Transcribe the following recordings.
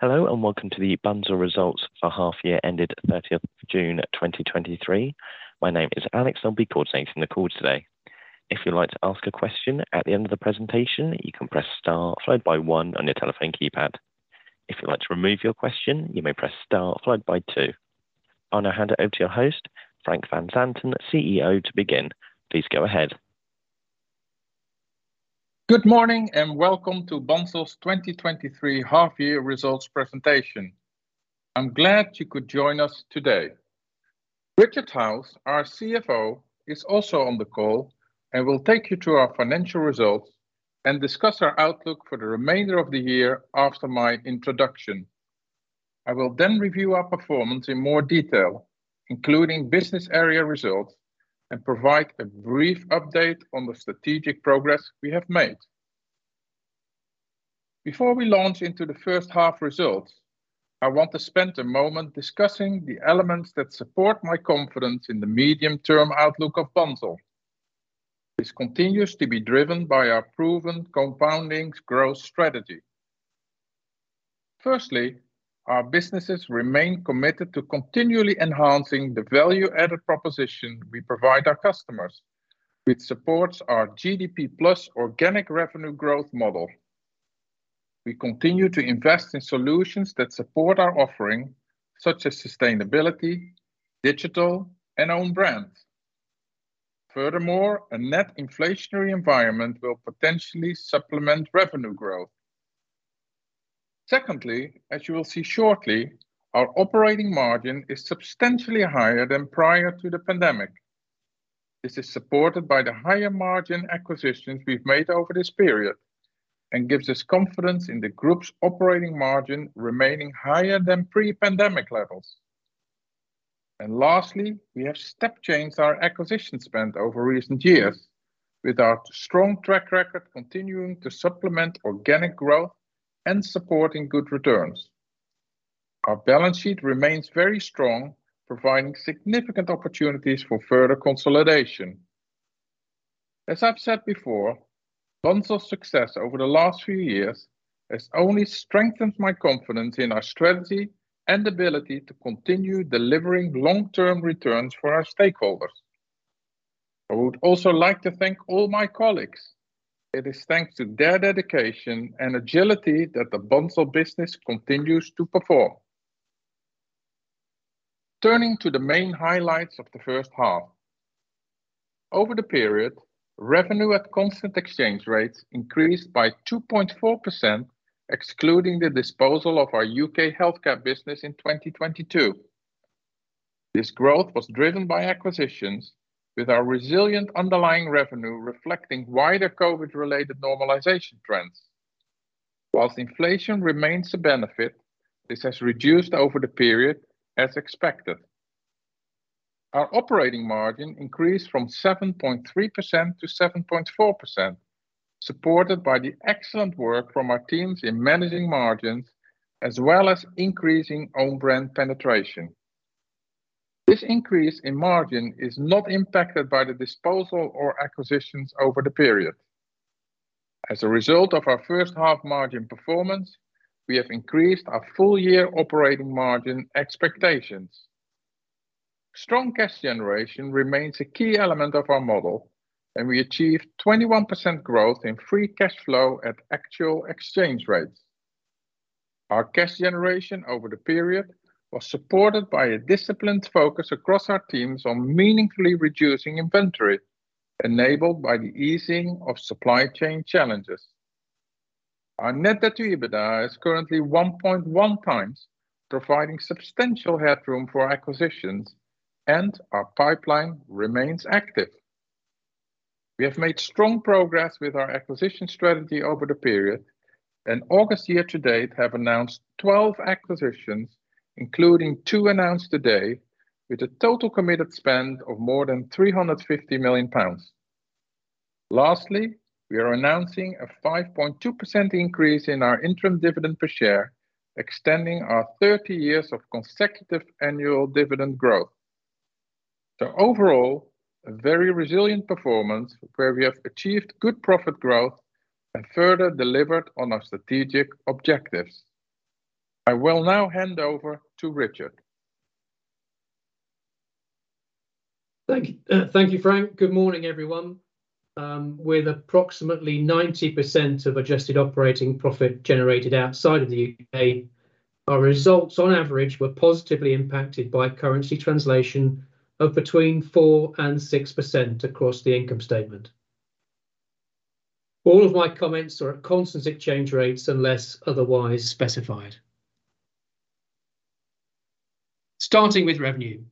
Hello, and welcome to the Bunzl Results for half year ended June 30th, 2023. My name is Alex. I'll be coordinating the call today. If you'd like to ask a question at the end of the presentation, you can press star followed by one on your telephone keypad. If you'd like to remove your question, you may press star followed by two. I'll now hand it over to your host, Frank van Zanten, CEO, to begin. Please go ahead. Good morning, and welcome to Bunzl's 2023 half year results presentation. I'm glad you could join us today. Richard Howes, our CFO, is also on the call and will take you through our financial results and discuss our outlook for the remainder of the year after my introduction. I will then review our performance in more detail, including business area results, and provide a brief update on the strategic progress we have made. Before we launch into the first half results, I want to spend a moment discussing the elements that support my confidence in the medium-term outlook of Bunzl. This continues to be driven by our proven compounding growth strategy. Firstly, our businesses remain committed to continually enhancing the value-added proposition we provide our customers, which supports our GDP plus organic revenue growth model. We continue to invest in solutions that support our offering, such as sustainability, digital, and own brand. Furthermore, a net inflationary environment will potentially supplement revenue growth. Secondly, as you will see shortly, our operating margin is substantially higher than prior to the pandemic. This is supported by the higher margin acquisitions we've made over this period and gives us confidence in the Group's operating margin remaining higher than pre-pandemic levels. Lastly, we have step-changed our acquisition spend over recent years with our strong track record continuing to supplement organic growth and supporting good returns. Our balance sheet remains very strong, providing significant opportunities for further consolidation. As I've said before, Bunzl's success over the last few years has only strengthened my confidence in our strategy and ability to continue delivering long-term returns for our stakeholders. I would also like to thank all my colleagues. It is thanks to their dedication and agility that the Bunzl business continues to perform. Turning to the main highlights of the first half. Over the period, revenue at constant exchange rates increased by 2.4%, excluding the disposal of our U.K. healthcare business in 2022. This growth was driven by acquisitions, with our resilient underlying revenue reflecting wider COVID-related normalization trends. While inflation remains a benefit, this has reduced over the period, as expected. Our operating margin increased from 7.3%-7.4%, supported by the excellent work from our teams in managing margins, as well as increasing own brand penetration. This increase in margin is not impacted by the disposal or acquisitions over the period. As a result of our first half margin performance, we have increased our full year operating margin expectations. Strong cash generation remains a key element of our model, and we achieved 21% growth in free cash flow at actual exchange rates. Our cash generation over the period was supported by a disciplined focus across our teams on meaningfully reducing inventory, enabled by the easing of supply chain challenges. Our net debt to EBITDA is currently 1.1x, providing substantial headroom for acquisitions, and our pipeline remains active. We have made strong progress with our acquisition strategy over the period, and August year to date have announced 12 acquisitions, including two announced today, with a total committed spend of more than 350 million pounds. Lastly, we are announcing a 5.2% increase in our interim dividend per share, extending our 30 years of consecutive annual dividend growth. Overall, a very resilient performance, where we have achieved good profit growth and further delivered on our strategic objectives. I will now hand over to Richard. Thank you. Thank you, Frank. Good morning, everyone. With approximately 90% of adjusted operating profit generated outside of the U.K., our results on average were positively impacted by currency translation of between 4%-6% across the income statement. All of my comments are at constant exchange rates unless otherwise specified. Starting with revenue.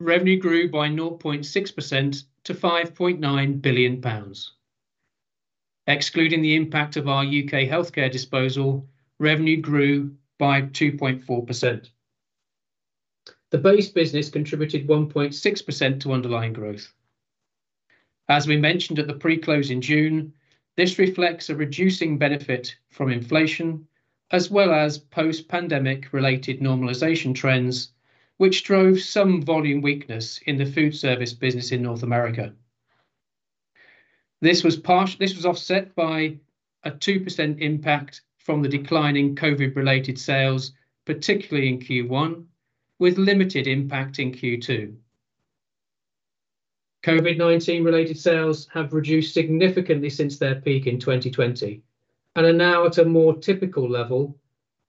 Revenue grew by 0.6% to 5.9 billion pounds. Excluding the impact of our U.K. healthcare disposal, revenue grew by 2.4%. The base business contributed 1.6% to underlying growth. As we mentioned at the pre-close in June, this reflects a reducing benefit from inflation, as well as post-pandemic related normalization trends, which drove some volume weakness in the foodservice business in North America. This was offset by a 2% impact from the decline in COVID related sales, particularly in Q1, with limited impact in Q2. COVID-19 related sales have reduced significantly since their peak in 2020 and are now at a more typical level,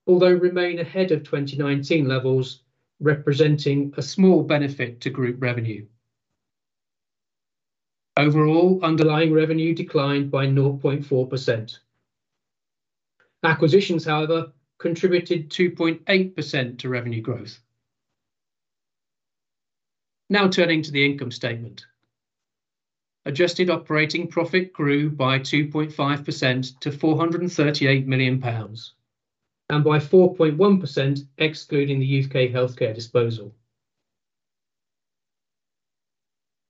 although remain ahead of 2019 levels, representing a small benefit to Group revenue. Overall, underlying revenue declined by 0.4%. Acquisitions, however, contributed 2.8% to revenue growth. Now turning to the income statement. Adjusted operating profit grew by 2.5% to 438 million pounds, and by 4.1% excluding the U.K. healthcare disposal.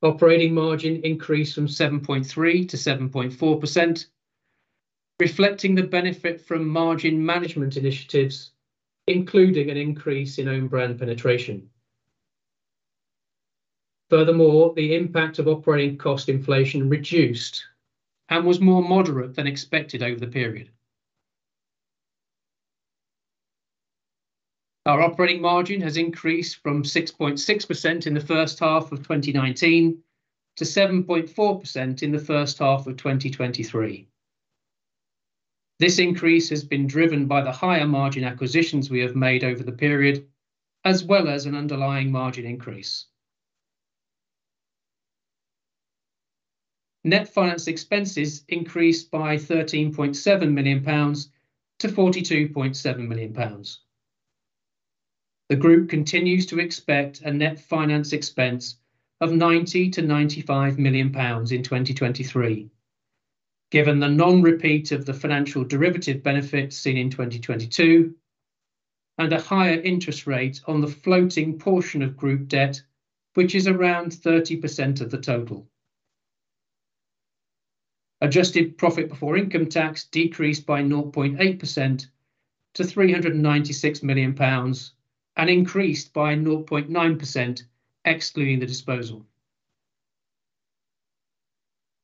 Operating margin increased from 7.3%-7.4%, reflecting the benefit from margin management initiatives, including an increase in own brand penetration. Furthermore, the impact of operating cost inflation reduced and was more moderate than expected over the period. Our operating margin has increased from 6.6% in the first half of 2019 to 7.4% in the first half of 2023. This increase has been driven by the higher margin acquisitions we have made over the period, as well as an underlying margin increase. Net finance expenses increased by 13.7 million pounds to 42.7 million pounds. The Group continues to expect a net finance expense of 90 million-95 million pounds in 2023, given the non-repeat of the financial derivative benefits seen in 2022 and a higher interest rate on the floating portion of Group debt, which is around 30% of the total. Adjusted profit before income tax decreased by 0.8% to GBP 396 million and increased by 0.9%, excluding the disposal.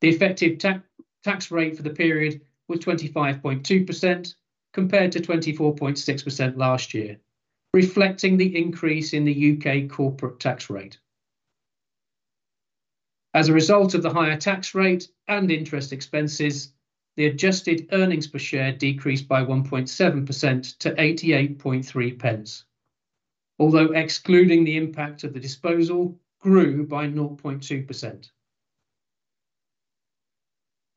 The effective tax rate for the period was 25.2%, compared to 24.6% last year, reflecting the increase in the U.K. corporate tax rate. As a result of the higher tax rate and interest expenses, the adjusted earnings per share decreased by 1.7% to 0.883, although excluding the impact of the disposal grew by 0.2%.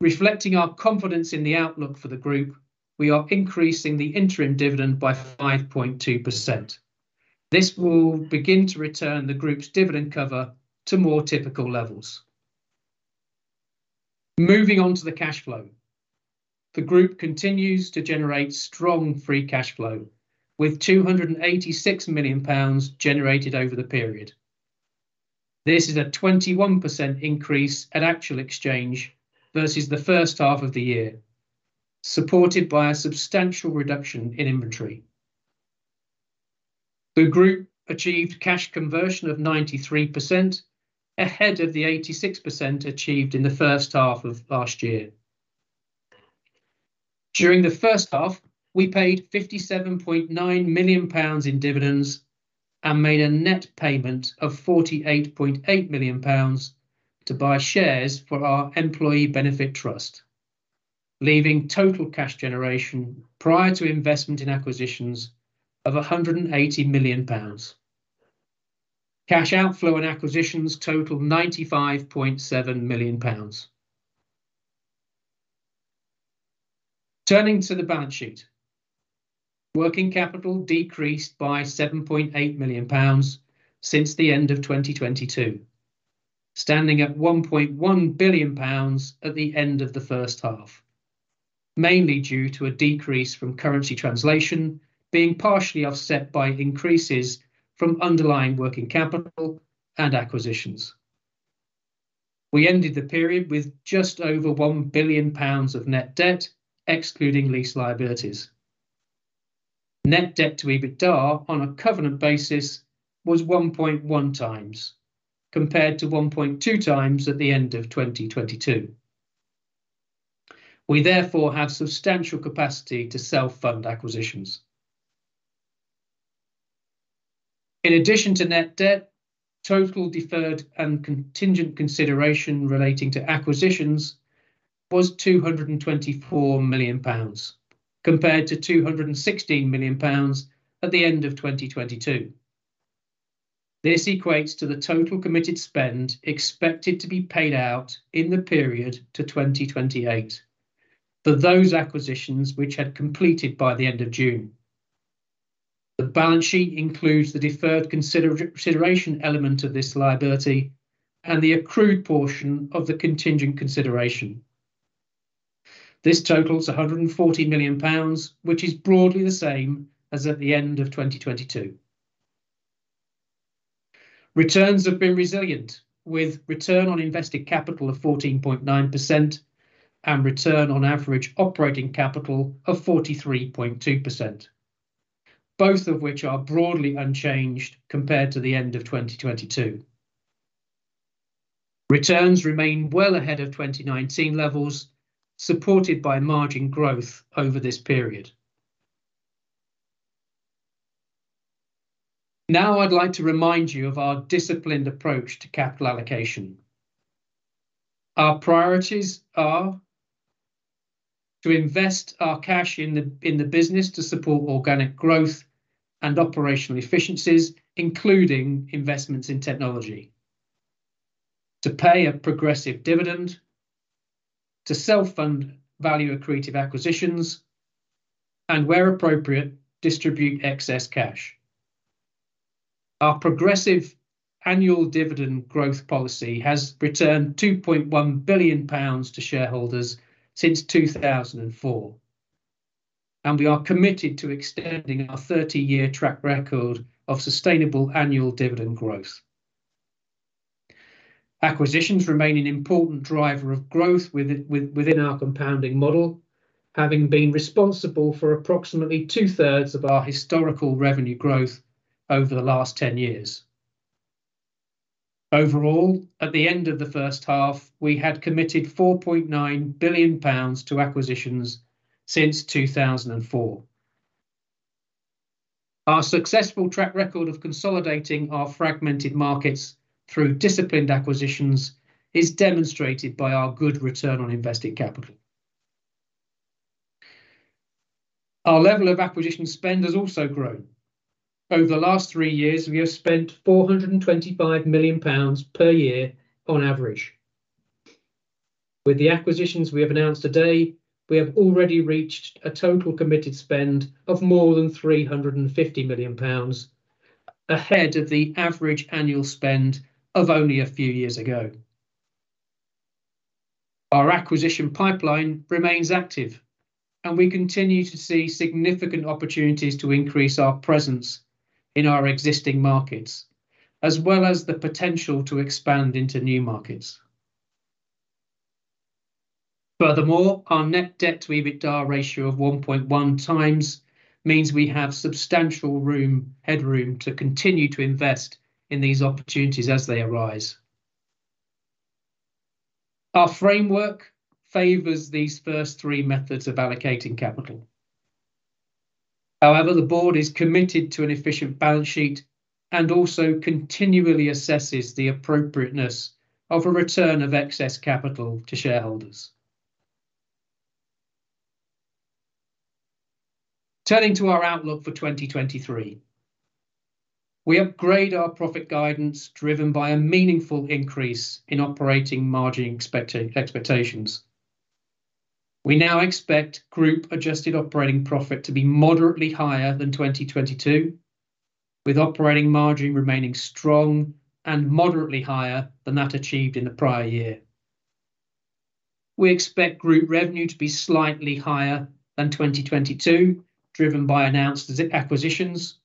Reflecting our confidence in the outlook for the Group, we are increasing the interim dividend by 5.2%. This will begin to return the Group's dividend cover to more typical levels. Moving on to the cash flow. The Group continues to generate strong free cash flow, with 286 million pounds generated over the period. This is a 21% increase at actual exchange versus the first half of the year, supported by a substantial reduction in inventory. The Group achieved cash conversion of 93%, ahead of the 86% achieved in the first half of last year. During the first half, we paid 57.9 million pounds in dividends and made a net payment of 48.8 million pounds to buy shares for our employee benefit trust, leaving total cash generation prior to investment in acquisitions of 180 million pounds. Cash outflow and acquisitions totaled 95.7 million pounds. Turning to the balance sheet, working capital decreased by 7.8 million pounds since the end of 2022, standing at 1.1 billion pounds at the end of the first half, mainly due to a decrease from currency translation being partially offset by increases from underlying working capital and acquisitions. We ended the period with just over 1 billion pounds of net debt, excluding lease liabilities. Net debt to EBITDA on a covenant basis was 1.1x, compared to 1.2x at the end of 2022. We therefore have substantial capacity to self-fund acquisitions. In addition to net debt, total deferred and contingent consideration relating to acquisitions was 224 million pounds, compared to 216 million pounds at the end of 2022. This equates to the total committed spend expected to be paid out in the period to 2028 for those acquisitions which had completed by the end of June. The balance sheet includes the deferred consideration element of this liability and the accrued portion of the contingent consideration. This totals 140 million pounds, which is broadly the same as at the end of 2022. Returns have been resilient, with return on invested capital of 14.9% and return on average operating capital of 43.2% both of which are broadly unchanged compared to the end of 2022. Returns remain well ahead of 2019 levels, supported by margin growth over this period. Now I'd like to remind you of our disciplined approach to capital allocation. Our priorities are: to invest our cash in the business to support organic growth and operational efficiencies, including investments in technology, to pay a progressive dividend, to self-fund value-accretive acquisitions, and where appropriate, distribute excess cash. Our progressive annual dividend growth policy has returned 2.1 billion pounds to shareholders since 2004, and we are committed to extending our 30-year track record of sustainable annual dividend growth. Acquisitions remain an important driver of growth within our compounding model, having been responsible for approximately 2/3s of our historical revenue growth over the last 10 years. Overall, at the end of the first half, we had committed 4.9 billion pounds to acquisitions since 2004. Our successful track record of consolidating our fragmented markets through disciplined acquisitions is demonstrated by our good return on invested capital. Our level of acquisition spend has also grown. Over the last three years, we have spent 425 million pounds per year on average. With the acquisitions we have announced today, we have already reached a total committed spend of more than 350 million pounds, ahead of the average annual spend of only a few years ago. Our acquisition pipeline remains active, and we continue to see significant opportunities to increase our presence in our existing markets, as well as the potential to expand into new markets. Furthermore, our net debt to EBITDA ratio of 1.1x means we have substantial room, headroom, to continue to invest in these opportunities as they arise. Our framework favors these first three methods of allocating capital. However, the Board is committed to an efficient balance sheet and also continually assesses the appropriateness of a return of excess capital to shareholders. Turning to our outlook for 2023, we upgrade our profit guidance, driven by a meaningful increase in operating margin expectations. We now expect Group adjusted operating profit to be moderately higher than 2022, with operating margin remaining strong and moderately higher than that achieved in the prior year. We expect Group revenue to be slightly higher than 2022, driven by announced acquisitions,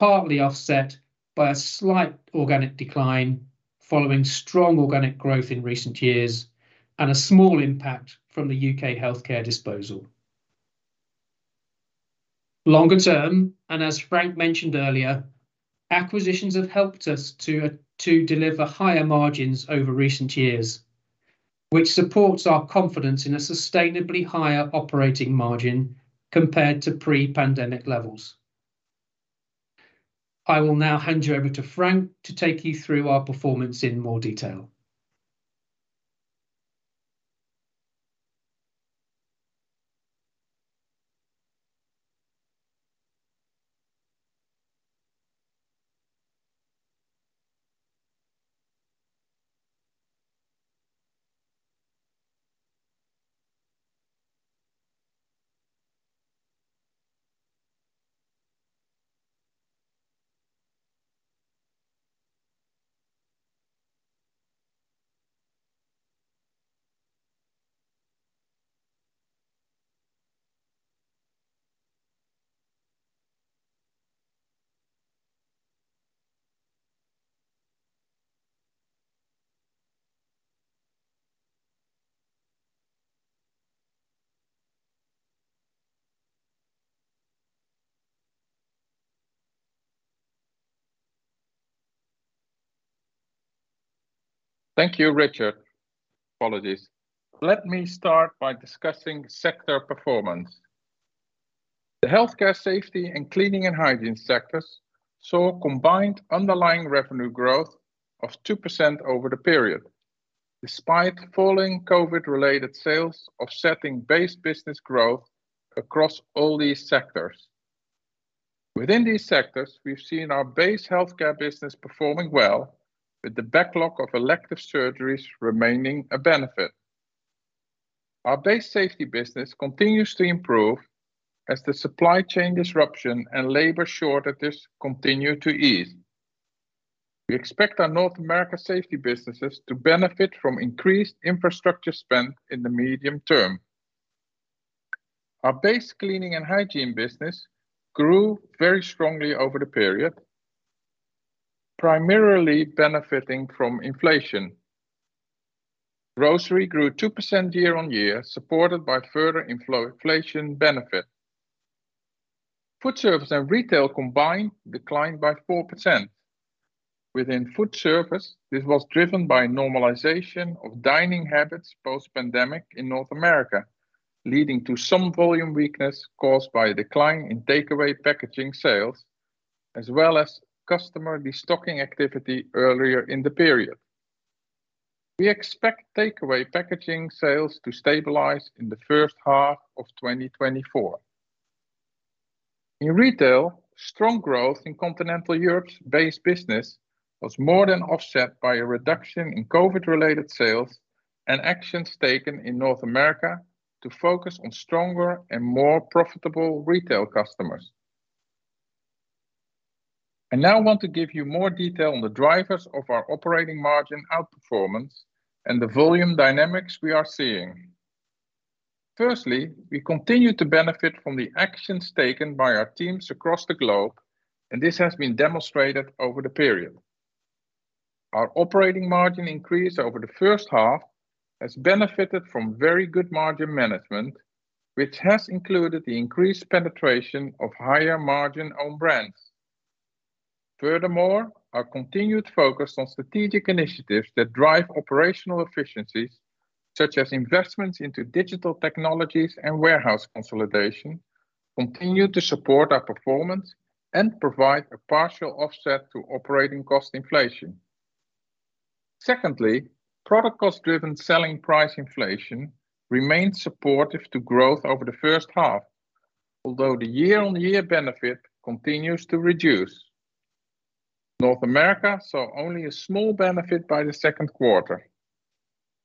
partly offset by a slight organic decline following strong organic growth in recent years and a small impact from the U.K. healthcare disposal. Longer term, and as Frank mentioned earlier, acquisitions have helped us to deliver higher margins over recent years, which supports our confidence in a sustainably higher operating margin compared to pre-pandemic levels. I will now hand you over to Frank to take you through our performance in more detail. Thank you, Richard. Apologies. Let me start by discussing sector performance. The healthcare, safety, and cleaning & hygiene sectors saw a combined underlying revenue growth of 2% over the period, despite falling COVID-related sales offsetting base business growth across all these sectors. Within these sectors, we've seen our base healthcare business performing well, with the backlog of elective surgeries remaining a benefit. Our base safety business continues to improve as the supply chain disruption and labor shortages continue to ease. We expect our North America safety businesses to benefit from increased infrastructure spend in the medium term. Our base cleaning & hygiene business grew very strongly over the period, primarily benefiting from inflation. Grocery grew 2% year-on-year, supported by further inflation benefit. Foodservice and retail combined declined by 4%. Within foodservice, this was driven by normalization of dining habits post-pandemic in North America, leading to some volume weakness caused by a decline in takeaway packaging sales, as well as customer destocking activity earlier in the period. We expect takeaway packaging sales to stabilize in the first half of 2024. In retail, strong growth in Continental Europe's base business was more than offset by a reduction in COVID-related sales and actions taken in North America to focus on stronger and more profitable retail customers. I now want to give you more detail on the drivers of our operating margin outperformance and the volume dynamics we are seeing. Firstly, we continue to benefit from the actions taken by our teams across the globe, and this has been demonstrated over the period. Our operating margin increase over the first half has benefited from very good margin management, which has included the increased penetration of higher margin own brands. Furthermore, our continued focus on strategic initiatives that drive operational efficiencies, such as investments into digital technologies and warehouse consolidation, continue to support our performance and provide a partial offset to operating cost inflation. Secondly, product cost-driven selling price inflation remained supportive to growth over the first half, although the year-on-year benefit continues to reduce. North America saw only a small benefit by the second quarter.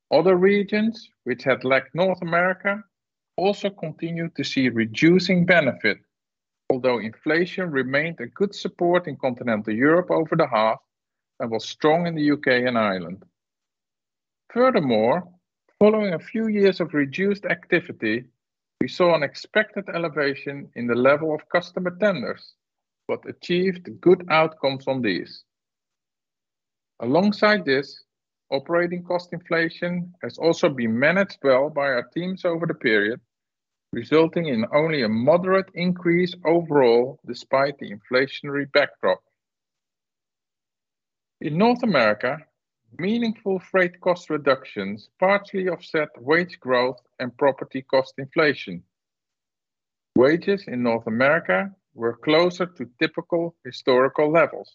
Other regions, which had lacked North America, also continued to see reducing benefit, although inflation remained a good support in Continental Europe over the half and was strong in the U.K. and Ireland. Furthermore, following a few years of reduced activity, we saw an expected elevation in the level of customer tenders, but achieved good outcomes from these. Alongside this, operating cost inflation has also been managed well by our teams over the period, resulting in only a moderate increase overall despite the inflationary backdrop. In North America, meaningful freight cost reductions partly offset wage growth and property cost inflation. Wages in North America were closer to typical historical levels.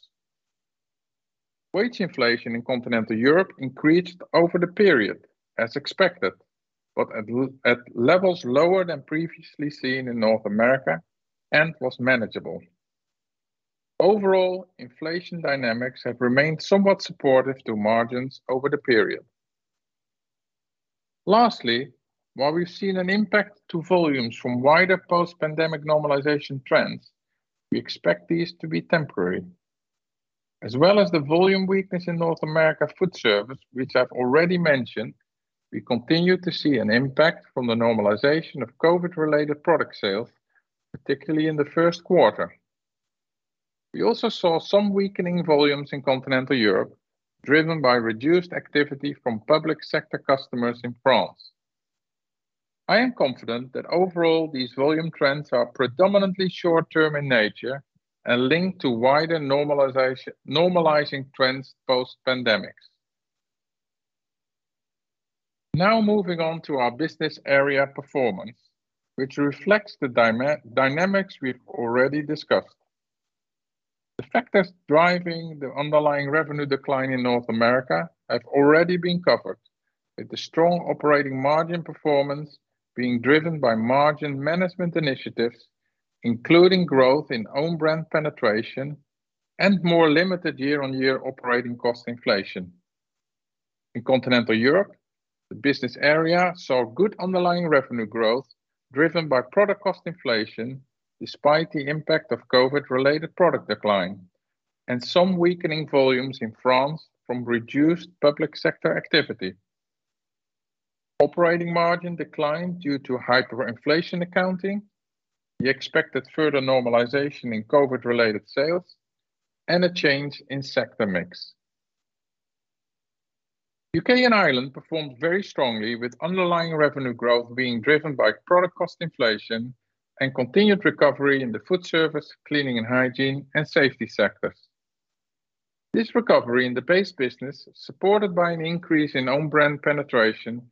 Wage inflation in Continental Europe increased over the period, as expected, but at levels lower than previously seen in North America and was manageable. Overall, inflation dynamics have remained somewhat supportive to margins over the period. Lastly, while we've seen an impact to volumes from wider post-pandemic normalization trends, we expect these to be temporary. As well as the volume weakness in North America foodservice, which I've already mentioned, we continue to see an impact from the normalization of COVID-related product sales, particularly in the first quarter. We also saw some weakening volumes in Continental Europe, driven by reduced activity from public sector customers in France. I am confident that overall, these volume trends are predominantly short term in nature and linked to wider normalizing trends post-pandemic. Now moving on to our business area performance, which reflects the dynamics we've already discussed. The factors driving the underlying revenue decline in North America have already been covered, with the strong operating margin performance being driven by margin management initiatives, including growth in own brand penetration and more limited year-on-year operating cost inflation. In Continental Europe, the business area saw good underlying revenue growth, driven by product cost inflation, despite the impact of COVID-related product decline and some weakening volumes in France from reduced public sector activity. Operating margin declined due to hyperinflation accounting, the expected further normalization in COVID-related sales, and a change in sector mix. U.K. and Ireland performed very strongly, with underlying revenue growth being driven by product cost inflation and continued recovery in the foodservice, cleaning & hygiene, and safety sectors. This recovery in the base business, supported by an increase in own brand penetration,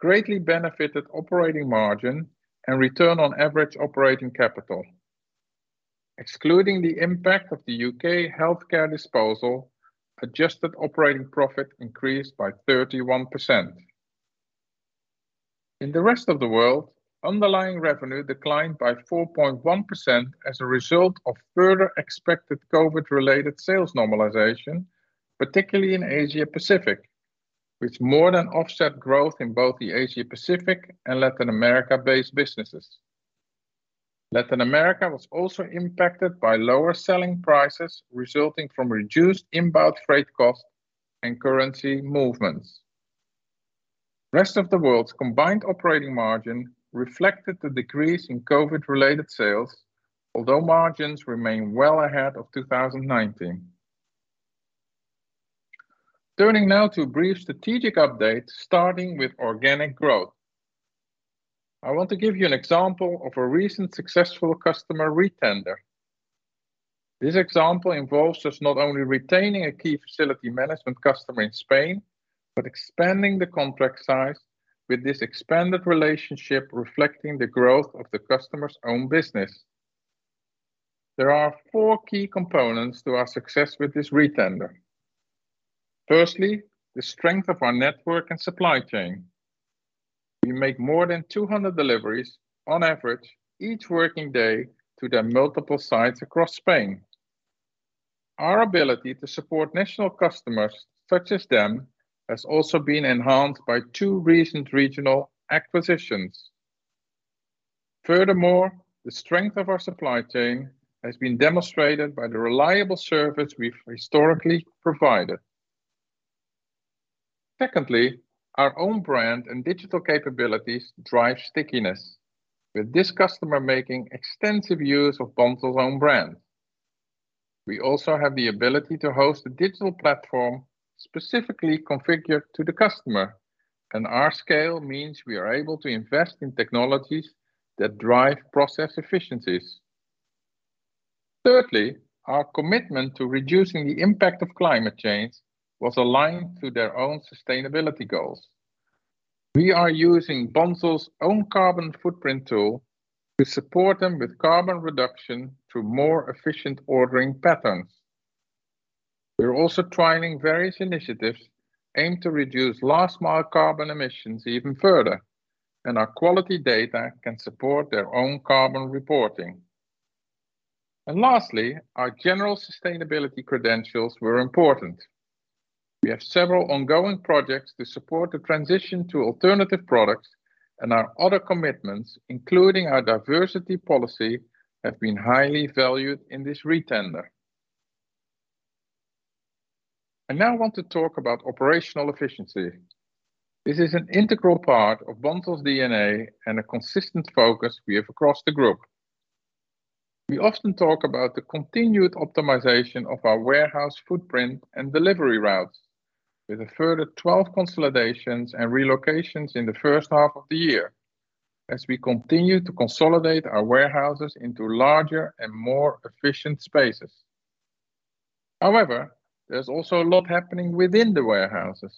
greatly benefited operating margin and return on average operating capital. Excluding the impact of the U.K. healthcare disposal, adjusted operating profit increased by 31%. In the rest of the world, underlying revenue declined by 4.1% as a result of further expected COVID-related sales normalization, particularly in Asia-Pacific, which more than offset growth in both the Asia-Pacific and Latin America-based businesses. Latin America was also impacted by lower selling prices, resulting from reduced inbound freight costs and currency movements. Rest of the World's combined operating margin reflected the decrease in COVID-related sales, although margins remain well ahead of 2019. Turning now to a brief strategic update, starting with organic growth. I want to give you an example of a recent successful customer retender. This example involves us not only retaining a key facility management customer in Spain, but expanding the contract size, with this expanded relationship reflecting the growth of the customer's own business. There are four key components to our success with this retender. Firstly, the strength of our network and supply chain. We make more than 200 deliveries on average each working day to their multiple sites across Spain. Our ability to support national customers such as them has also been enhanced by two recent regional acquisitions. Furthermore, the strength of our supply chain has been demonstrated by the reliable service we've historically provided. Secondly, our own brand and digital capabilities drive stickiness, with this customer making extensive use of Bunzl's own brand. We also have the ability to host a digital platform specifically configured to the customer, and our scale means we are able to invest in technologies that drive process efficiencies. Thirdly, our commitment to reducing the impact of climate change was aligned to their own sustainability goals. We are using Bunzl's own carbon footprint tool to support them with carbon reduction through more efficient ordering patterns. We're also trialing various initiatives aimed to reduce last mile carbon emissions even further, and our quality data can support their own carbon reporting. And lastly, our general sustainability credentials were important. We have several ongoing projects to support the transition to alternative products, and our other commitments, including our diversity policy, have been highly valued in this retender. I now want to talk about operational efficiency. This is an integral part of Bunzl's DNA and a consistent focus we have across the Group. We often talk about the continued optimization of our warehouse footprint and delivery routes, with a further 12 consolidations and relocations in the first half of the year, as we continue to consolidate our warehouses into larger and more efficient spaces. However, there's also a lot happening within the warehouses.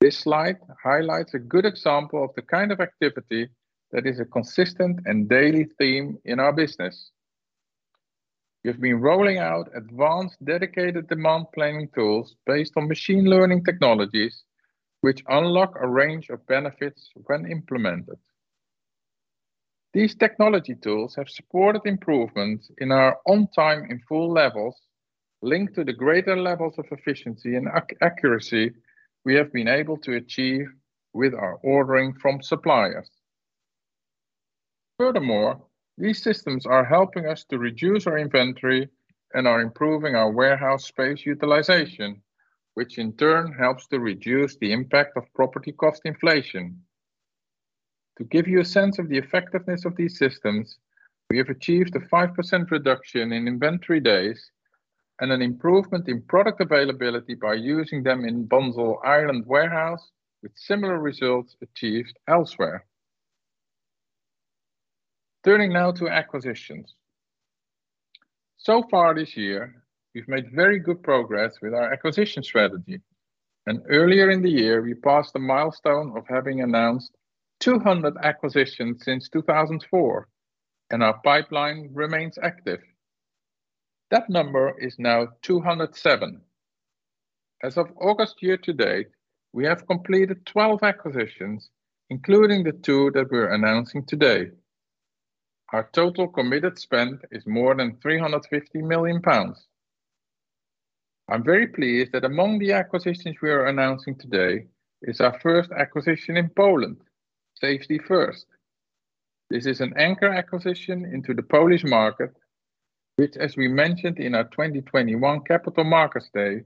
This slide highlights a good example of the kind of activity that is a consistent and daily theme in our business. We've been rolling out advanced, dedicated demand planning tools based on machine learning technologies, which unlock a range of benefits when implemented. These technology tools have supported improvements in our on time in full levels, linked to the greater levels of efficiency and accuracy we have been able to achieve with our ordering from suppliers. Furthermore, these systems are helping us to reduce our inventory and are improving our warehouse space utilization, which in turn helps to reduce the impact of property cost inflation. To give you a sense of the effectiveness of these systems, we have achieved a 5% reduction in inventory days and an improvement in product availability by using them in Bunzl Ireland warehouse, with similar results achieved elsewhere. Turning now to acquisitions. So far this year, we've made very good progress with our acquisition strategy, and earlier in the year, we passed the milestone of having announced 200 acquisitions since 2004, and our pipeline remains active. That number is now 207. As of August year to date, we have completed 12 acquisitions, including the two that we're announcing today. Our total committed spend is more than 350 million pounds. I'm very pleased that among the acquisitions we are announcing today is our first acquisition in Poland, Safety First. This is an anchor acquisition into the Polish market, which, as we mentioned in our 2021 Capital Markets Day,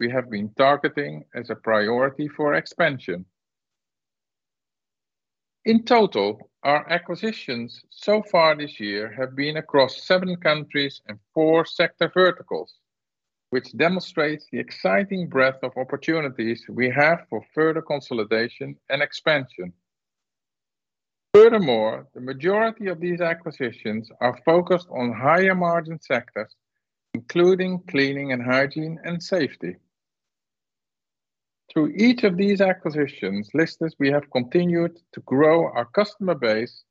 we have been targeting as a priority for expansion. In total, our acquisitions so far this year have been across seven countries and four sector verticals, which demonstrates the exciting breadth of opportunities we have for further consolidation and expansion. Furthermore, the majority of these acquisitions are focused on higher margin sectors, including cleaning and hygiene and safety. Through each of these acquisitions listed, we have continued to grow our customer base,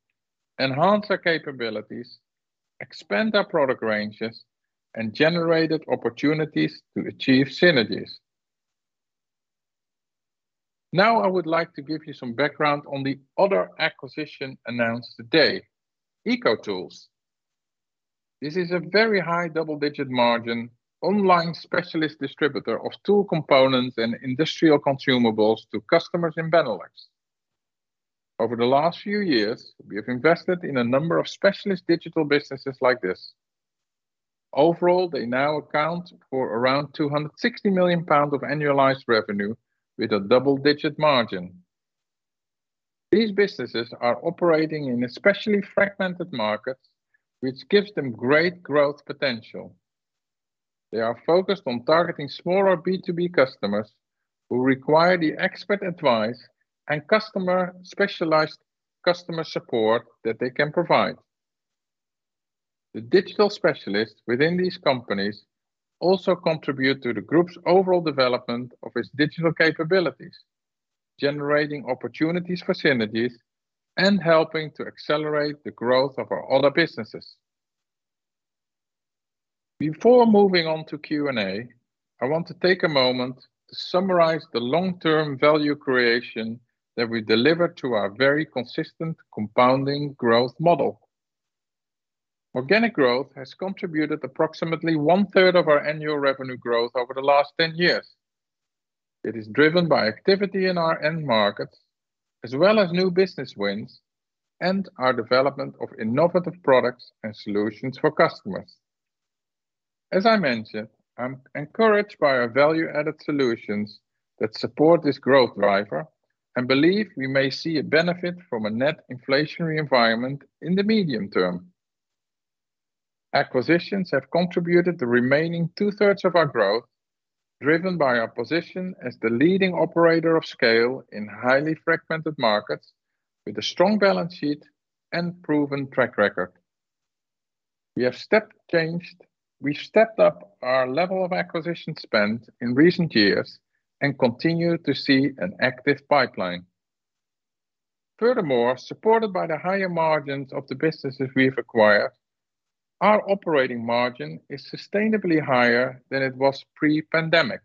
enhance our capabilities, expand our product ranges, and generated opportunities to achieve synergies. Now, I would like to give you some background on the other acquisition announced today, EcoTools.nl. This is a very high double-digit margin, online specialist distributor of tool components and industrial consumables to customers in Benelux. Over the last few years, we have invested in a number of specialist digital businesses like this. Overall, they now account for around 260 million pounds of annualized revenue with a double-digit margin. These businesses are operating in especially fragmented markets, which gives them great growth potential. They are focused on targeting smaller B2B customers who require the expert advice and customer specialized customer support that they can provide. The digital specialists within these companies also contribute to the Group's overall development of its digital capabilities, generating opportunities for synergies and helping to accelerate the growth of our other businesses. Before moving on to Q&A, I want to take a moment to summarize the long-term value creation that we deliver to our very consistent compounding growth model. Organic growth has contributed approximately 1/3 of our annual revenue growth over the last 10 years. It is driven by activity in our end markets, as well as new business wins and our development of innovative products and solutions for customers. As I mentioned, I'm encouraged by our value-added solutions that support this growth driver, and believe we may see a benefit from a net inflationary environment in the medium term. Acquisitions have contributed the remaining 2/3s of our growth, driven by our position as the leading operator of scale in highly fragmented markets, with a strong balance sheet and proven track record. We've stepped up our level of acquisition spend in recent years and continue to see an active pipeline. Furthermore, supported by the higher margins of the businesses we've acquired, our operating margin is sustainably higher than it was pre-pandemic.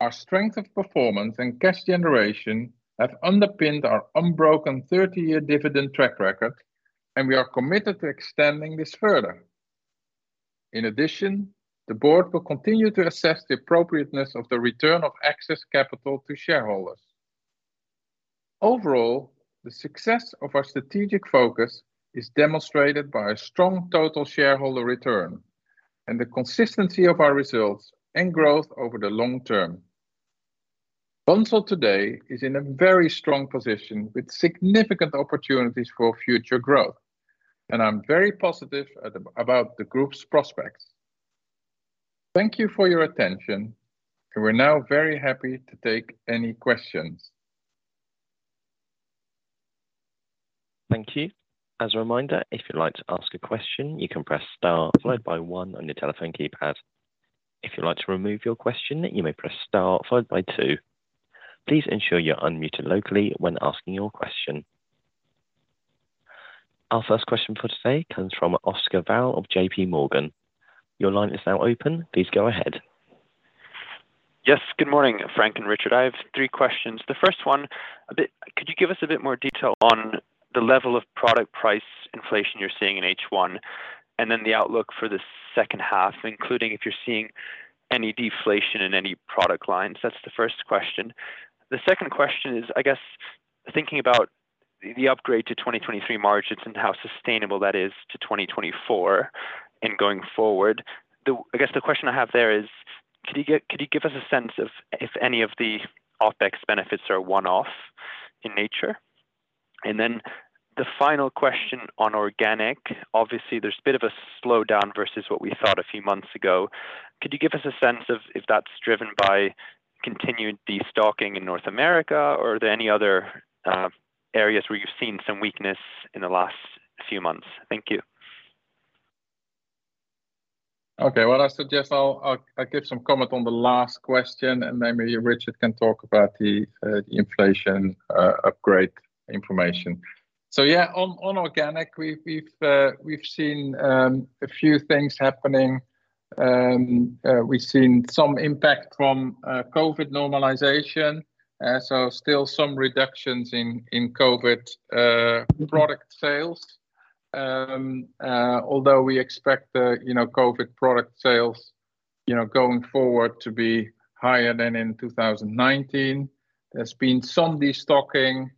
Our strength of performance and cash generation have underpinned our unbroken 30-year dividend track record, and we are committed to extending this further. In addition, the Board will continue to assess the appropriateness of the return of excess capital to shareholders. Overall, the success of our strategic focus is demonstrated by a strong total shareholder return and the consistency of our results and growth over the long term. Bunzl today is in a very strong position, with significant opportunities for future growth, and I'm very positive about the Group's prospects. Thank you for your attention, and we're now very happy to take any questions. Thank you. As a reminder, if you'd like to ask a question, you can press star followed by one on your telephone keypad. If you'd like to remove your question, you may press star followed by two. Please ensure you're unmuted locally when asking your question. Our first question for today comes from Oscar Val Mas of JPMorgan. Your line is now open. Please go ahead. Yes, good morning, Frank and Richard. I have three questions. The first one: Could you give us a bit more detail on the level of product price inflation you're seeing in H1, and then the outlook for the second half, including if you're seeing any deflation in any product lines? That's the first question. The second question is, I guess, thinking about the upgrade to 2023 margins and how sustainable that is to 2024 and going forward, I guess the question I have there is: could you give us a sense of if any of the OpEx benefits are one-off in nature? And then the final question on organic, obviously, there's a bit of a slowdown versus what we thought a few months ago. Could you give us a sense of if that's driven by continued destocking in North America, or are there any other areas where you've seen some weakness in the last few months? Thank you. Okay. Well, I suggest I'll give some comment on the last question, and then maybe Richard can talk about the inflation upgrade information. So, yeah, on organic, we've seen a few things happening. We've seen some impact from COVID normalization, so still some reductions in COVID product sales. Although we expect, you know, COVID product sales, you know, going forward to be higher than in 2019. There's been some destocking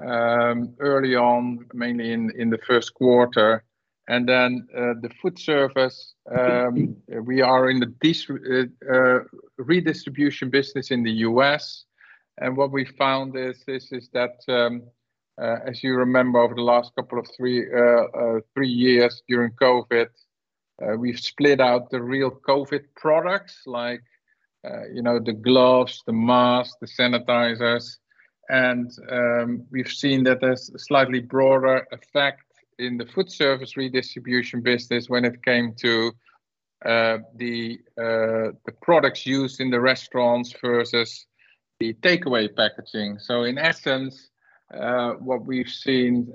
early on, mainly in the first quarter. The foodservice, we are in the redistribution business in the U.S., and what we found is that, as you remember, over the last couple of three, three years during COVID, we've split out the real COVID products like, you know, the gloves, the masks, the sanitizers. And we've seen that there's a slightly broader effect in the foodservice redistribution business when it came to, the, the products used in the restaurants versus the takeaway packaging. So, in essence, what we've seen,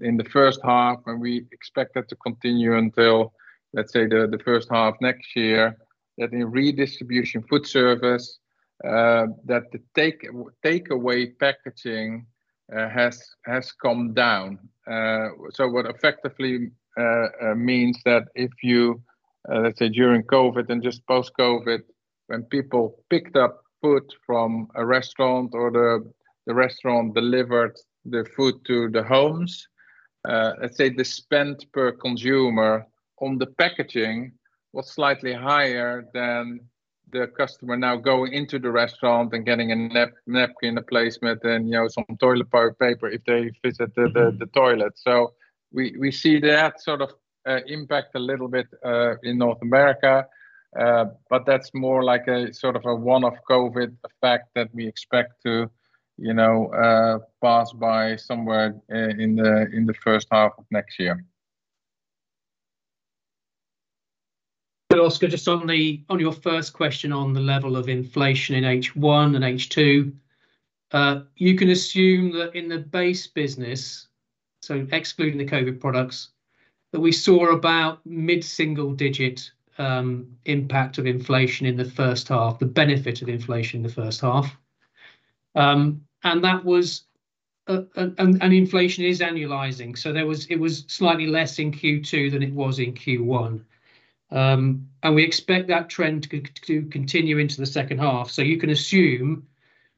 in the first half, and we expect that to continue until, let's say, the, the first half next year, that the redistribution foodservice, that the takeaway packaging, has come down. What effectively means that if you, let's say during COVID and just post-COVID, when people picked up food from a restaurant or the restaurant delivered the food to the homes, let's say the spend per consumer on the packaging was slightly higher than the customer now going into the restaurant and getting a napkin, a placemat, and, you know, some toilet paper if they visit the toilet. So we see that sort of impact a little bit in North America. But that's more like a sort of a one-off COVID effect that we expect to, you know, pass by somewhere in the first half of next year. Oscar, just on your first question on the level of inflation in H1 and H2, you can assume that in the base business, so excluding the COVID products, that we saw about mid-single digit impact of inflation in the first half, the benefit of inflation in the first half. And that was, and inflation is annualizing, so it was slightly less in Q2 than it was in Q1. And we expect that trend to continue into the second half. So you can assume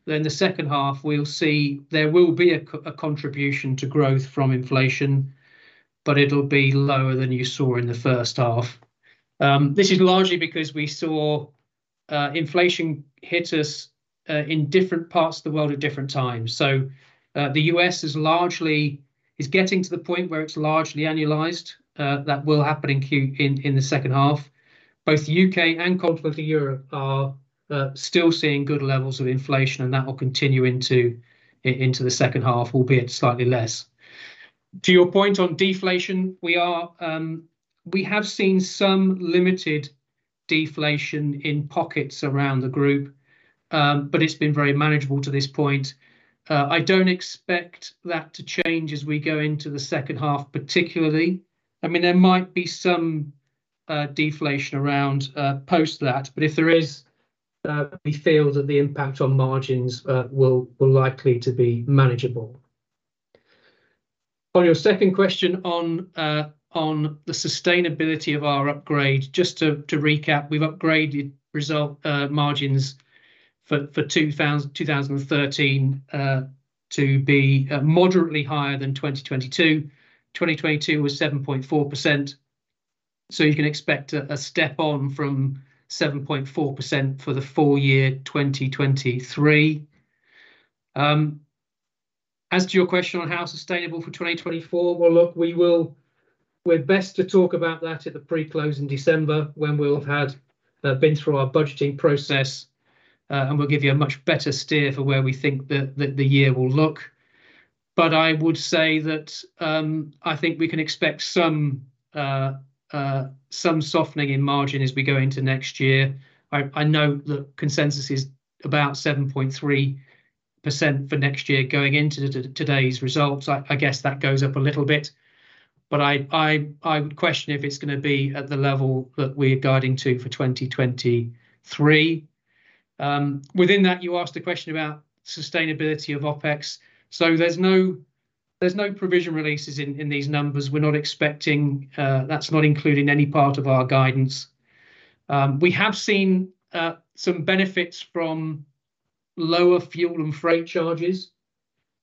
that in the second half we'll see there will be a contribution to growth from inflation, but it'll be lower than you saw in the first half. This is largely because we saw inflation hit us in different parts of the world at different times. The U.S. is largely getting to the point where it's largely annualized. That will happen in the second half. Both the U.K. and Continental Europe are still seeing good levels of inflation, and that will continue into the second half, albeit slightly less. To your point on deflation, we have seen some limited deflation in pockets around the Group, but it's been very manageable to this point. I don't expect that to change as we go into the second half, particularly. I mean, there might be some deflation around post that, but if there is, we feel that the impact on margins will likely to be manageable. On your second question on the sustainability of our upgrade, just to recap, we've upgraded result margins for 2023 to be moderately higher than 2022. 2022 was 7.4%, so you can expect a step on from 7.4% for the full year 2023. As to your question on how sustainable for 2024, well, look, we will—we're best to talk about that at the pre-close in December, when we'll have had been through our budgeting process. And we'll give you a much better steer for where we think the year will look. But I would say that, I think we can expect some softening in margin as we go into next year. I know the consensus is about 7.3% for next year going into today's results. I guess that goes up a little bit, but I would question if it's gonna be at the level that we're guiding to for 2023. Within that, you asked a question about sustainability of OpEx. So there's no provision releases in these numbers. We're not expecting. That's not included in any part of our guidance. We have seen some benefits from lower fuel and freight charges,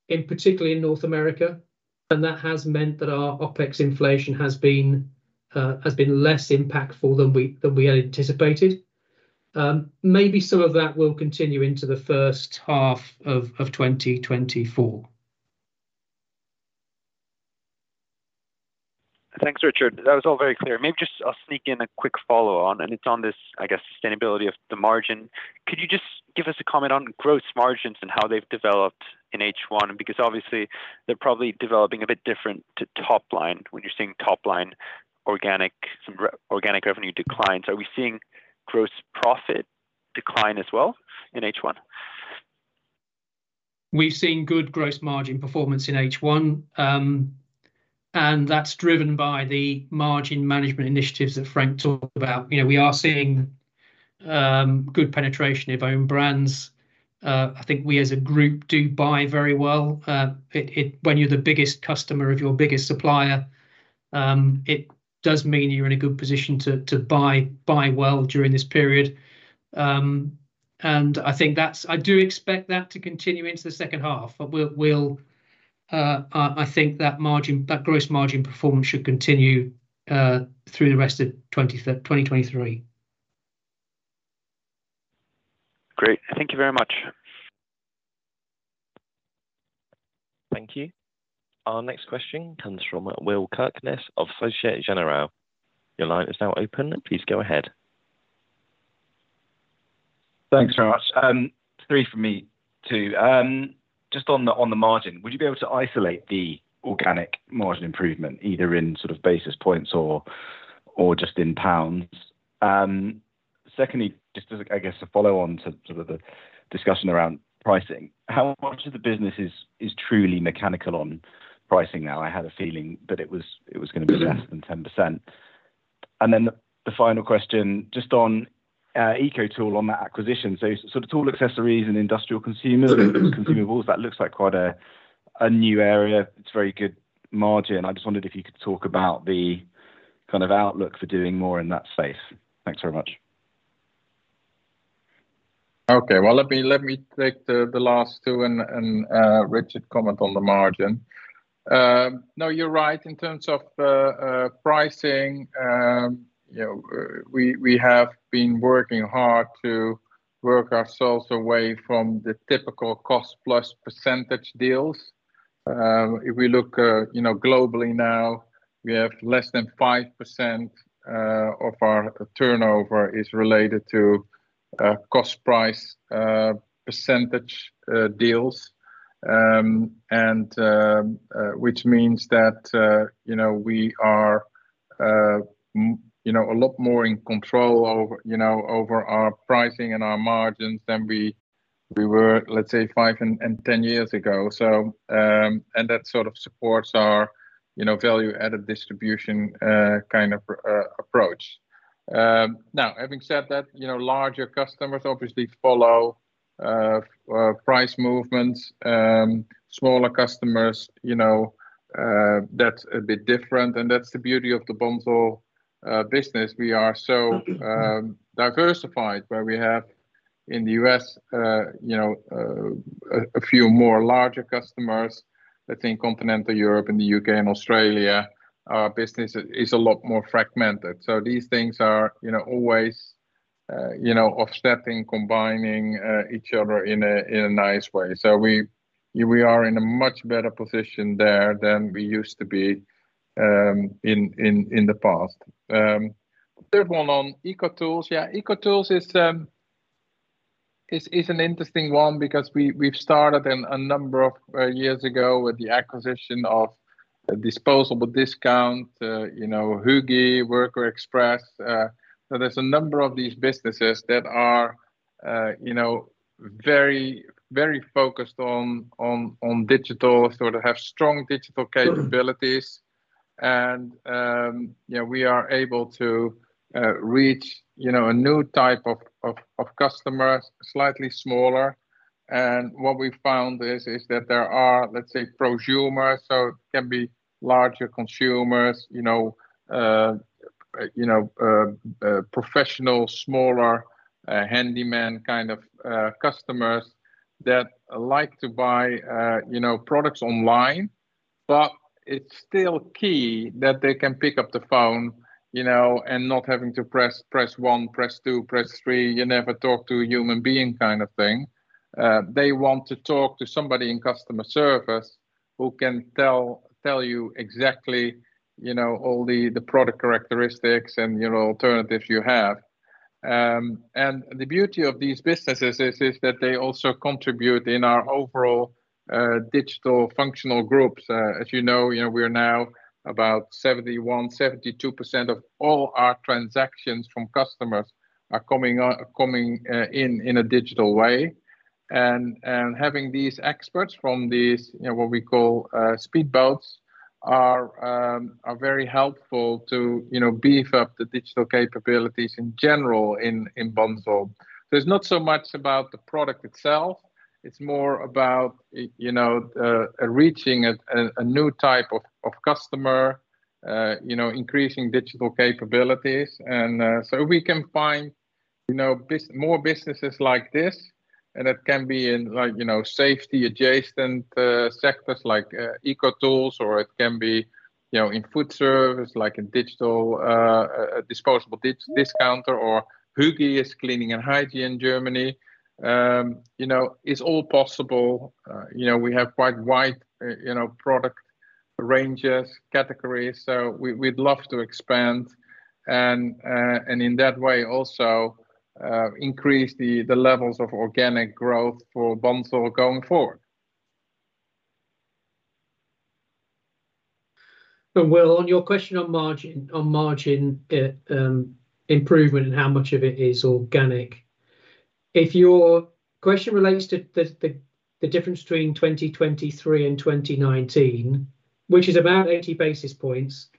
particularly in North America, and that has meant that our OpEx inflation has been less impactful than we had anticipated. Maybe some of that will continue into the first half of 2024. Thanks, Richard. That was all very clear. Maybe just I'll sneak in a quick follow-on, and it's on this, I guess, sustainability of the margin. Could you just give us a comment on gross margins and how they've developed in H1? Because obviously they're probably developing a bit different to top line, when you're seeing top line organic, some organic revenue decline. So are we seeing gross profit decline as well in H1? We've seen good gross margin performance in H1, and that's driven by the margin management initiatives that Frank talked about. You know, we are seeing good penetration of own brands. I think we as a Group do buy very well. When you're the biggest customer of your biggest supplier, it does mean you're in a good position to buy well during this period. And I think that's. I do expect that to continue into the second half. But that margin, that gross margin performance should continue through the rest of 2023. Great. Thank you very much. Thank you. Our next question comes from Will Kirkness of Société Générale. Your line is now open. Please go ahead. Thanks very much. Three from me, too. Just on the margin, would you be able to isolate the organic margin improvement, either in sort of basis points or just in pounds? Secondly, just as, I guess, a follow-on to sort of the discussion around pricing, how much of the business is truly mechanical on pricing now? I had a feeling that it was gonna be less than 10%. And then the final question, just on EcoTools.nl, on that acquisition. So tool accessories and industrial consumables, that looks like quite a new area. It's very good margin. I just wondered if you could talk about the kind of outlook for doing more in that space. Thanks very much. Okay, well, let me take the last two and Richard comment on the margin. No, you're right. In terms of pricing, you know, we have been working hard to work ourselves away from the typical cost plus percentage deals. If we look, you know, globally now, we have less than 5% of our turnover is related to cost price percentage deals. And which means that, you know, we are you know, a lot more in control over, you know, over our pricing and our margins than we were, let's say, five and ten years ago. So, and that sort of supports our, you know, value-added distribution kind of approach. Now, having said that, you know, larger customers obviously follow price movements. Smaller customers, you know, that's a bit different, and that's the beauty of the Bunzl business. We are so diversified, where we have in the U.S. you know a few more larger customers. I think Continental Europe and the U.K. and Australia, our business is a lot more fragmented. So these things are you know always you know offsetting, combining each other in a nice way. So we are in a much better position there than we used to be in the past. Third one on EcoTools.nl. Yeah, EcoTools.nl is an interesting one because we've started a number of years ago with the acquisition of Disposable Discounter, you know, Hygi, Workwear Express. So, there's a number of these businesses that are, you know, very, very focused on digital, sort of have strong digital capabilities. And yeah, we are able to reach, you know, a new type of customers, slightly smaller. And what we found is that there are, let's say, prosumers, so can be larger consumers, you know, you know, professional, smaller, handyman kind of customers that like to buy, you know, products online. It's still key that they can pick up the phone, you know, and not having to press, press one, press two, press three, you never talk to a human being kind of thing. They want to talk to somebody in customer service who can tell, tell you exactly, you know, all the, the product characteristics and, you know, alternatives you have. And the beauty of these businesses is that they also contribute in our overall digital functional Groups. As you know, you know, we are now about 71%-72% of all our transactions from customers are coming in a digital way. And having these experts from these, you know, what we call speedboats, are very helpful to, you know, beef up the digital capabilities in general in Bunzl. It's not so much about the product itself, it's more about, you know, reaching a new type of customer, you know, increasing digital capabilities. And, so we can find, you know, more businesses like this, and that can be in, like, you know, safety adjacent sectors like, EcoTools.nl, or it can be, you know, in foodservice, like in digital, Disposable Discounter or Hygi is cleaning and hygiene in Germany. You know, it's all possible. You know, we have quite wide, you know, product ranges, categories, so we, we'd love to expand. And, and in that way, also, increase the levels of organic growth for Bunzl going forward. Well, on your question on margin, on margin, improvement and how much of it is organic, if your question relates to the difference between 2023 and 2019, which is about 80 basis points,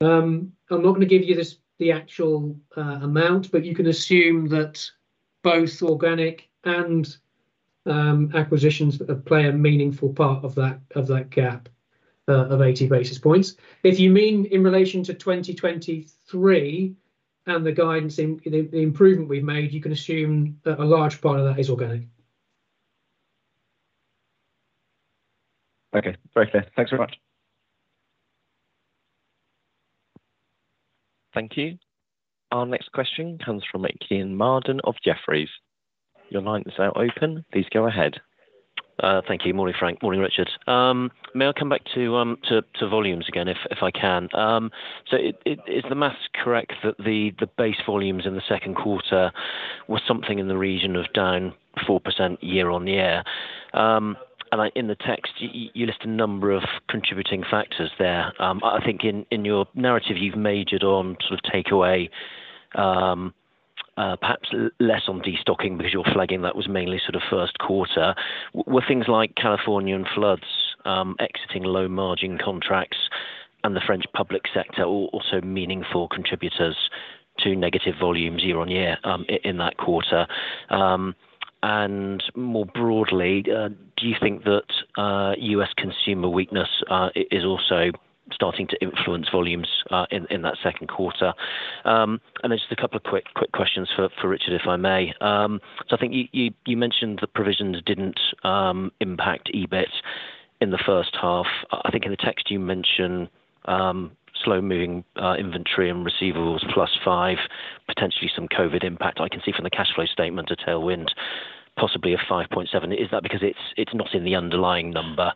I'm not gonna give you the actual amount, but you can assume that both organic and acquisitions play a meaningful part of that gap of 80 basis points. If you mean in relation to 2023 and the guidance in the improvement we've made, you can assume that a large part of that is organic. Okay. Very clear. Thanks very much. Thank you. Our next question comes from Kean Marden of Jefferies. Your line is now open. Please go ahead. Thank you. Morning, Frank. Morning, Richard. May I come back to volumes again if I can? So is the math correct that the base volumes in the second quarter were something in the region of down 4% year-on-year? And in the text, you list a number of contributing factors there. I think in your narrative, you've majored on sort of takeaway, perhaps less on destocking because you're flagging that was mainly sort of first quarter. Were things like Californian floods, exiting low-margin contracts and the French public sector also meaningful contributors to negative volumes year-on-year, in that quarter? More broadly, do you think that U.S. consumer weakness is also starting to influence volumes in that second quarter. Then just a couple of quick questions for Richard, if I may. I think you mentioned the provisions didn't impact EBIT in the first half. I think in the text you mentioned slow moving inventory and receivables plus five, potentially some COVID impact. I can see from the cash flow statement a tailwind, possibly a 5.7. Is that because it's not in the underlying number?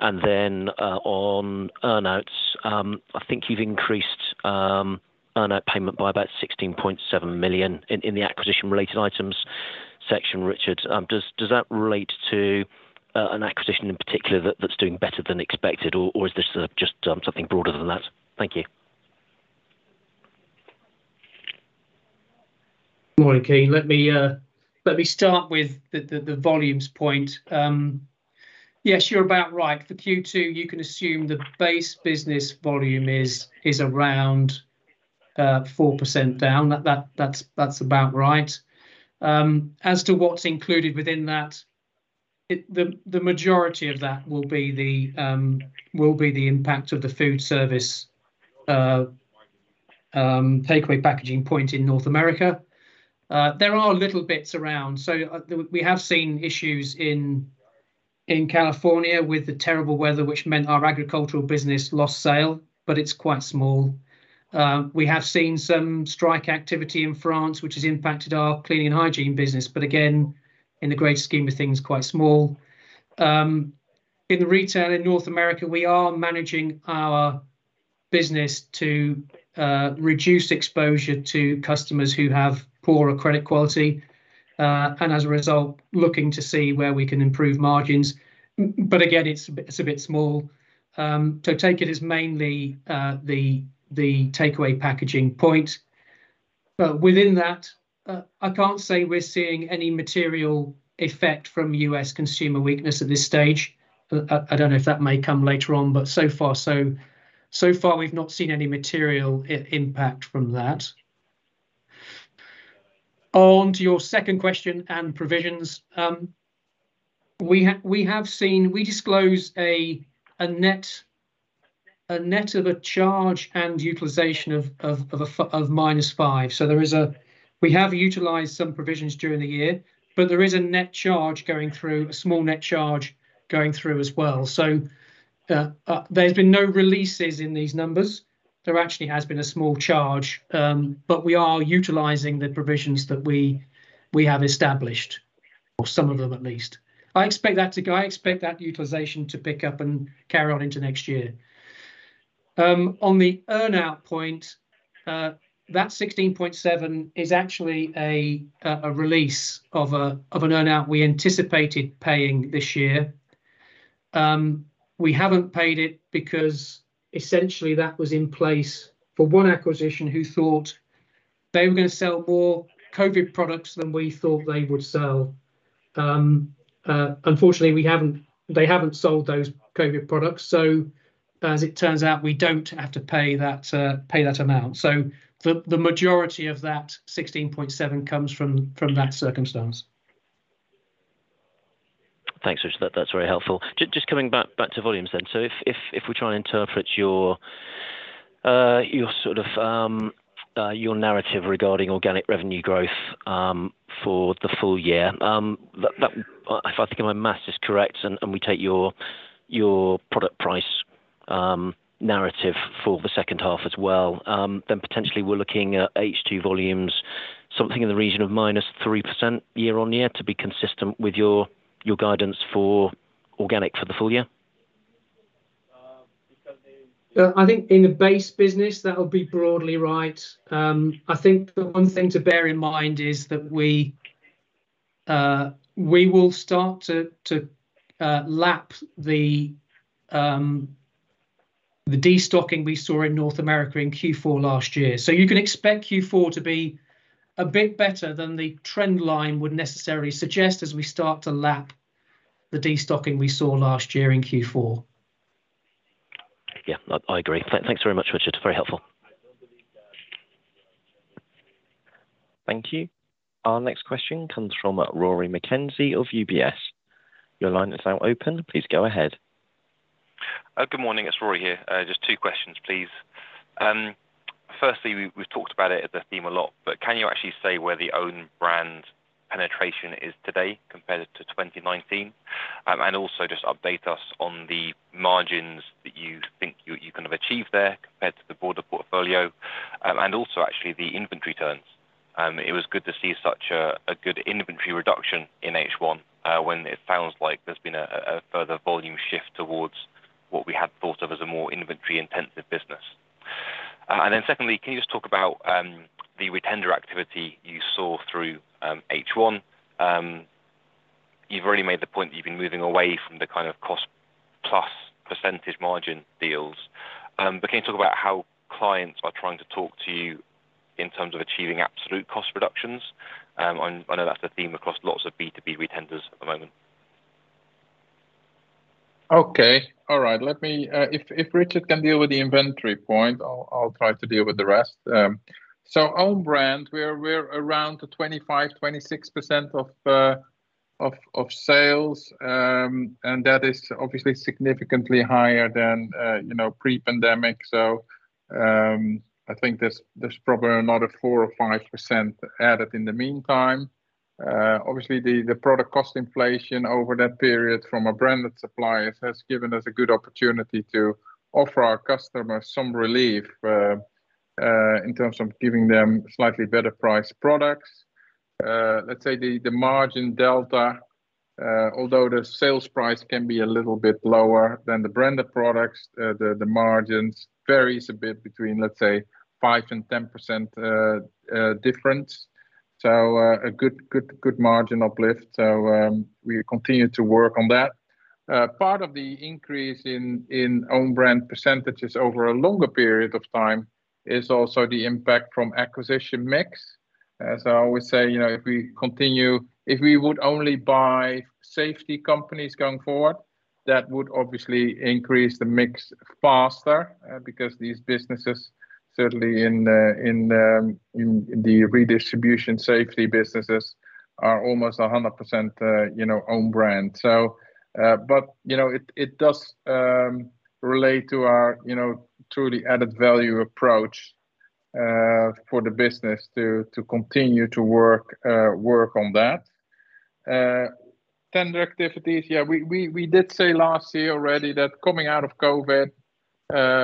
Then on earn-outs, I think you've increased earn-out payment by about 16.7 million in the acquisition-related items section, Richard. Does that relate to an acquisition in particular that's doing better than expected, or is this just something broader than that? Thank you. Morning, Kean. Let me start with the volumes point. Yes, you're about right. For Q2, you can assume the base business volume is around 4% down. That's about right. As to what's included within that, the majority of that will be the impact of the foodservice takeaway packaging point in North America. There are little bits around, so we have seen issues in California with the terrible weather, which meant our agricultural business lost sale, but it's quite small. We have seen some strike activity in France, which has impacted our cleaning and hygiene business, but again, in the great scheme of things, quite small. In the retail in North America, we are managing our business to reduce exposure to customers who have poorer credit quality, and as a result, looking to see where we can improve margins. But again, it's a bit small. So, take it as mainly the takeaway packaging point. But within that, I can't say we're seeing any material effect from U.S. consumer weakness at this stage. I don't know if that may come later on, but so far, we've not seen any material impact from that. On to your second question and provisions, we have seen, we disclose a net of a charge and utilization of a minus five. So, there is a, we have utilized some provisions during the year, but there is a net charge going through, a small net charge going through as well. There's been no releases in these numbers. There actually has been a small charge, but we are utilizing the provisions that we, we have established, or some of them at least. I expect that to go, I expect that utilization to pick up and carry on into next year. On the earn-out point, that 16.7 is actually a release of an earn-out we anticipated paying this year. We haven't paid it because essentially that was in place for one acquisition who thought they were going to sell more COVID products than we thought they would sell. Unfortunately, we haven't, they haven't sold those COVID products, so as it turns out, we don't have to pay that amount. So the majority of that 16.7 comes from that circumstance. Thanks, Richard. That's very helpful. Just coming back to volumes then. So if we try and interpret your sort of your narrative regarding organic revenue growth for the full year, that if I think my math is correct, and we take your product price narrative for the second half as well, then potentially we're looking at H2 volumes something in the region of minus 3% year-over-year to be consistent with your guidance for organic for the full year? I think in the base business, that'll be broadly right. I think the one thing to bear in mind is that we will start to lap the destocking we saw in North America in Q4 last year. So you can expect Q4 to be a bit better than the trend line would necessarily suggest as we start to lap the destocking we saw last year in Q4. Yeah, I agree. Thanks very much, Richard. Very helpful. Thank you. Our next question comes from Rory McKenzie of UBS. Your line is now open. Please go ahead. Good morning. It's Rory here. Just two questions, please. Firstly, we've talked about it as a theme a lot, but can you actually say where the own brand penetration is today compared to 2019? And also just update us on the margins that you think you can have achieved there compared to the broader portfolio, and also actually the inventory turns. It was good to see such a good inventory reduction in H1, when it sounds like there's been a further volume shift towards what we had thought of as a more inventory-intensive business. And then secondly, can you just talk about the retender activity you saw through H1? You've already made the point that you've been moving away from the kind of cost plus percentage margin deals, but can you talk about how clients are trying to talk to you in terms of achieving absolute cost reductions? I know that's the theme across lots of B2B retenders at the moment. Okay. All right, let me, if Richard can deal with the inventory point, I'll try to deal with the rest. So own brand, we're around the 25%, 26% of sales, and that is obviously significantly higher than, you know, pre-pandemic. So, I think there's probably another 4% or 5% added in the meantime. Obviously, the product cost inflation over that period from our branded suppliers has given us a good opportunity to offer our customers some relief in terms of giving them slightly better priced products. Let's say the margin delta, although the sales price can be a little bit lower than the branded products, the margins varies a bit between, let's say, 5%-10% difference. A good, good, good margin uplift. So, we continue to work on that. Part of the increase in own brand percentages over a longer period of time is also the impact from acquisition mix. As I always say, you know, if we continue—if we would only buy safety companies going forward, that would obviously increase the mix faster, because these businesses, certainly in the redistribution safety businesses, are almost 100%, you know, own brand. So, but, you know, it does relate to our, you know, to the added value approach, for the business to continue to work on that. Tender activities, yeah, we did say last year already that coming out of COVID,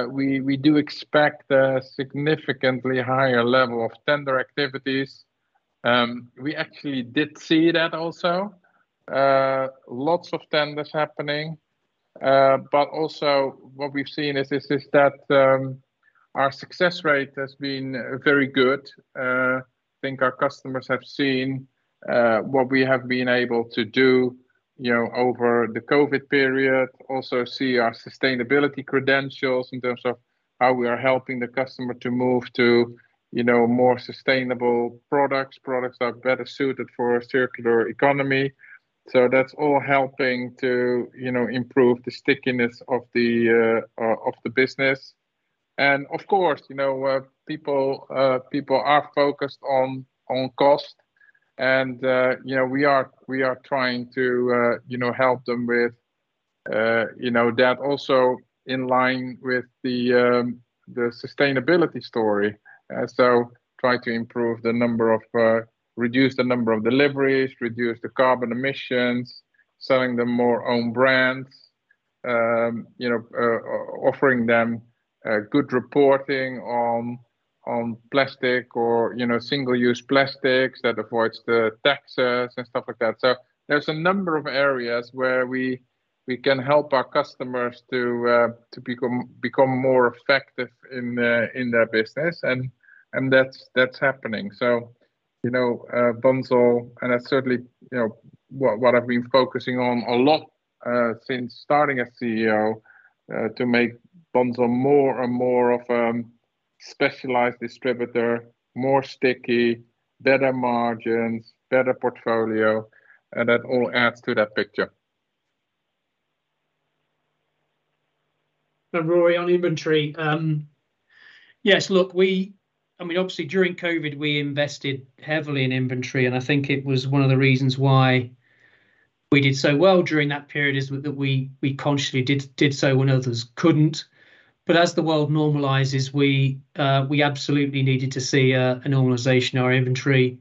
we do expect a significantly higher level of tender activities. We actually did see that also. Lots of tenders happening, but also what we've seen is that our success rate has been very good. I think our customers have seen what we have been able to do, you know, over the COVID period. Also see our sustainability credentials in terms of how we are helping the customer to move to, you know, more sustainable products, products that are better suited for a circular economy. So that's all helping to, you know, improve the stickiness of the business. And of course, you know, people are focused on cost, and you know, we are trying to, you know, help them with that also in line with the sustainability story. Try to improve the number of, reduce the number of deliveries, reduce the carbon emissions, selling them more own brands, you know, offering them good reporting on plastic or, you know, single-use plastics that avoids the taxes and stuff like that. So there's a number of areas where we can help our customers to become more effective in their business, and that's happening. So, you know, Bunzl, and that's certainly what I've been focusing on a lot since starting as CEO to make Bunzl more and more of a specialized distributor, more sticky, better margins, better portfolio, and that all adds to that picture. Rory, on inventory, yes, look, we, I mean, obviously, during COVID, we invested heavily in inventory, and I think it was one of the reasons why we did so well during that period, is that we consciously did so when others couldn't. But as the world normalizes, we absolutely needed to see a normalization in our inventory.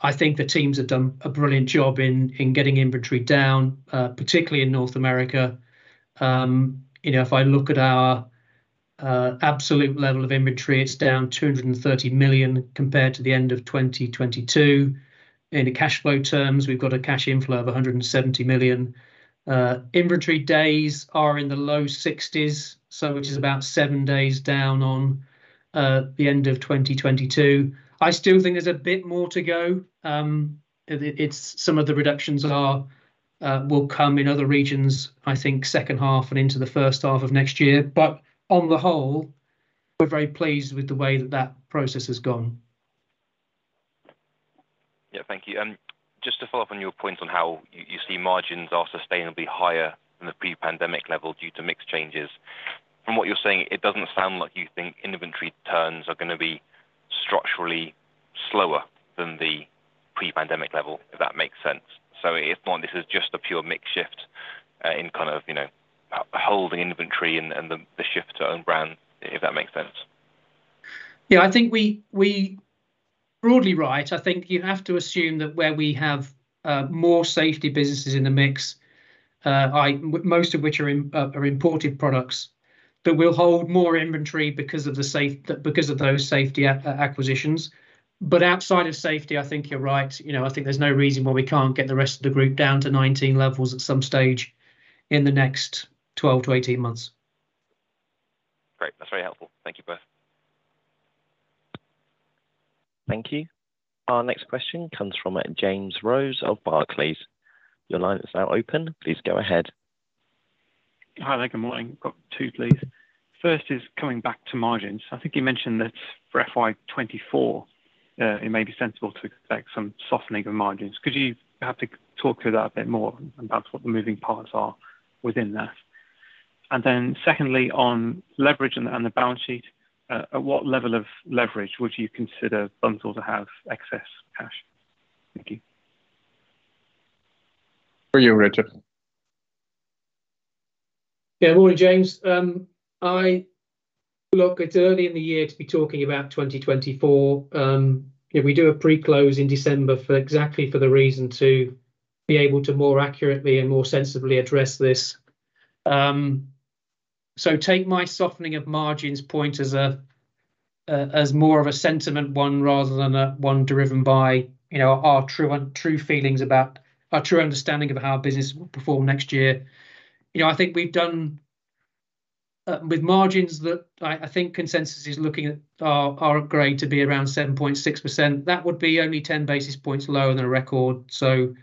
I think the teams have done a brilliant job in getting inventory down, particularly in North America. You know, if I look at our absolute level of inventory, it's down 230 million compared to the end of 2022. In the cash flow terms, we've got a cash inflow of 170 million. Inventory days are in the low 60s, so which is about seven days down on the end of 2022. I still think there's a bit more to go. It's some of the reductions are will come in other regions, I think, second half and into the first half of next year. But on the whole, we're very pleased with the way that that process has gone. Yeah, thank you. And just to follow up on your point on how you see margins are sustainably higher than the pre-pandemic level due to mix changes. From what you're saying, it doesn't sound like you think inventory turns are gonna be structurally slower than the pre-pandemic level, if that makes sense. So if not, this is just a pure mix shift in kind of, you know, holding inventory and the shift to own brand, if that makes sense. Yeah, I think we broadly, right, I think you have to assume that where we have more safety businesses in the mix, most of which are imported products, that we'll hold more inventory because of those safety acquisitions. But outside of safety, I think you're right. You know, I think there's no reason why we can't get the rest of the Group down to 19 levels at some stage in the next 12-18 months. Great. That's very helpful. Thank you both. Thank you. Our next question comes from James Rose of Barclays. Your line is now open. Please go ahead. Hi there. Good morning. I've got two, please. First is coming back to margins. I think you mentioned that for FY 2024, it may be sensible to expect some softening of margins. Could you perhaps talk through that a bit more about what the moving parts are within that? And then secondly, on leverage and the balance sheet, at what level of leverage would you consider Bunzl to have excess cash? Thank you. For you, Richard. Yeah. Morning, James. Look, it's early in the year to be talking about 2024. If we do a pre-close in December for exactly for the reason to be able to more accurately and more sensibly address this. So, take my softening of margins point as a, as more of a sentiment one, rather than a one driven by, you know, our true, true feelings about our true understanding of how business will perform next year. You know, I think we've done with margins that I, I think consensus is looking at are, are agreed to be around 7.6%. That would be only 10 basis points lower than the record. So,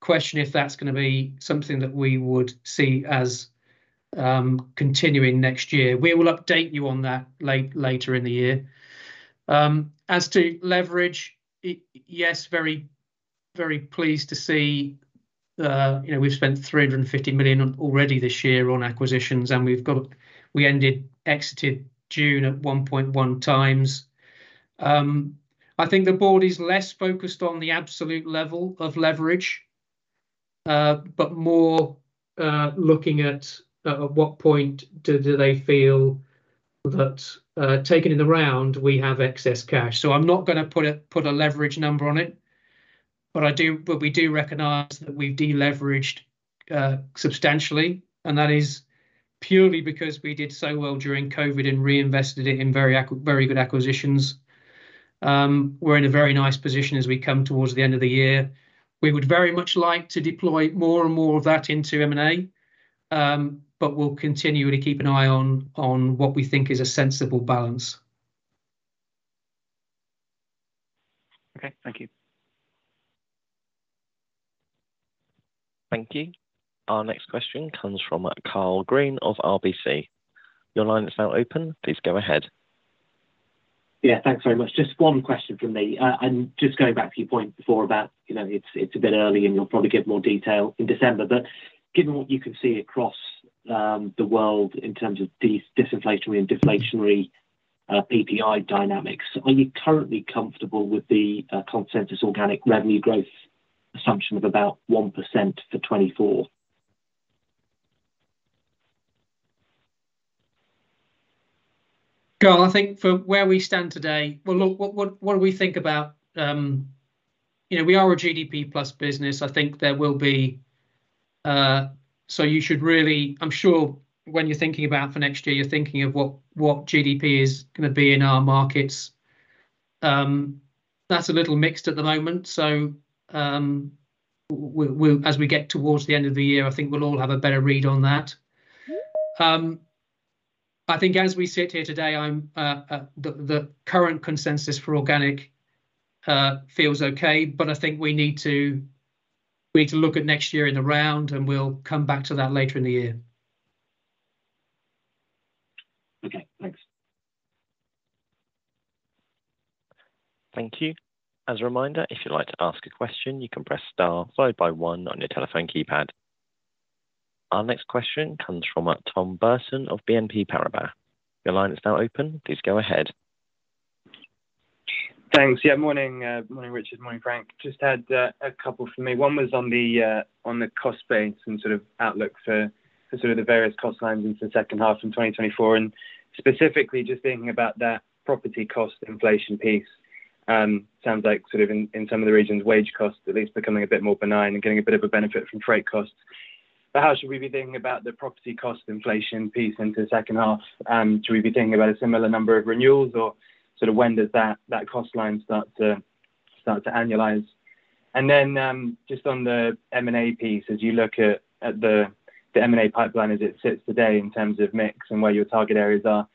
question if that's gonna be something that we would see as continuing next year. We will update you on that later in the year. As to leverage, yes, very, very pleased to see, you know, we've spent 350 million on already this year on acquisitions, and we've got. We exited June at 1.1x. I think the Board is less focused on the absolute level of leverage, but more looking at what point do they feel that taking it around we have excess cash? So, I'm not gonna put a leverage number on it, but I do, but we do recognize that we've deleveraged substantially, and that is purely because we did so well during COVID and reinvested it in very good acquisitions. We're in a very nice position as we come towards the end of the year. We would very much like to deploy more and more of that into M&A, but we'll continue to keep an eye on, on what we think is a sensible balance. Okay. Thank you. Thank you. Our next question comes from Karl Green of RBC. Your line is now open. Please go ahead. Yeah, thanks very much. Just one question from me. And just going back to your point before about, you know, it's a bit early, and you'll probably give more detail in December. But given what you can see across the world in terms of disinflationary and deflationary PPI dynamics, are you currently comfortable with the consensus organic revenue growth assumption of about 1% for 2024? Karl, I think from where we stand today, well, look, what do we think about, you know, we are a GDP plus business. I think there will be, so you should really, I'm sure when you're thinking about for next year, you're thinking of what GDP is gonna be in our markets. That's a little mixed at the moment, so, as we get towards the end of the year, I think we'll all have a better read on that. I think as we sit here today, the current consensus for organic feels okay, but I think we need to look at next year in the round, and we'll come back to that later in the year. Okay, thanks. Thank you. As a reminder, if you'd like to ask a question, you can press star followed by one on your telephone keypad. Our next question comes from Tom Burlton of BNP Paribas. Your line is now open. Please go ahead. Thanks. Yeah, morning, morning, Richard. Morning, Frank. Just had a couple for me. One was on the cost base and sort of outlook for sort of the various cost lines into the second half in 2024, and specifically just thinking about that property cost inflation piece. Sounds like sort of in some of the regions, wage costs at least becoming a bit more benign and getting a bit of a benefit from freight costs. But how should we be thinking about the property cost inflation piece into the second half? And should we be thinking about a similar number of renewals, or sort of when does that cost line start to annualize? Then, just on the M&A piece, as you look at the M&A pipeline as it sits today in terms of mix and where your target areas are,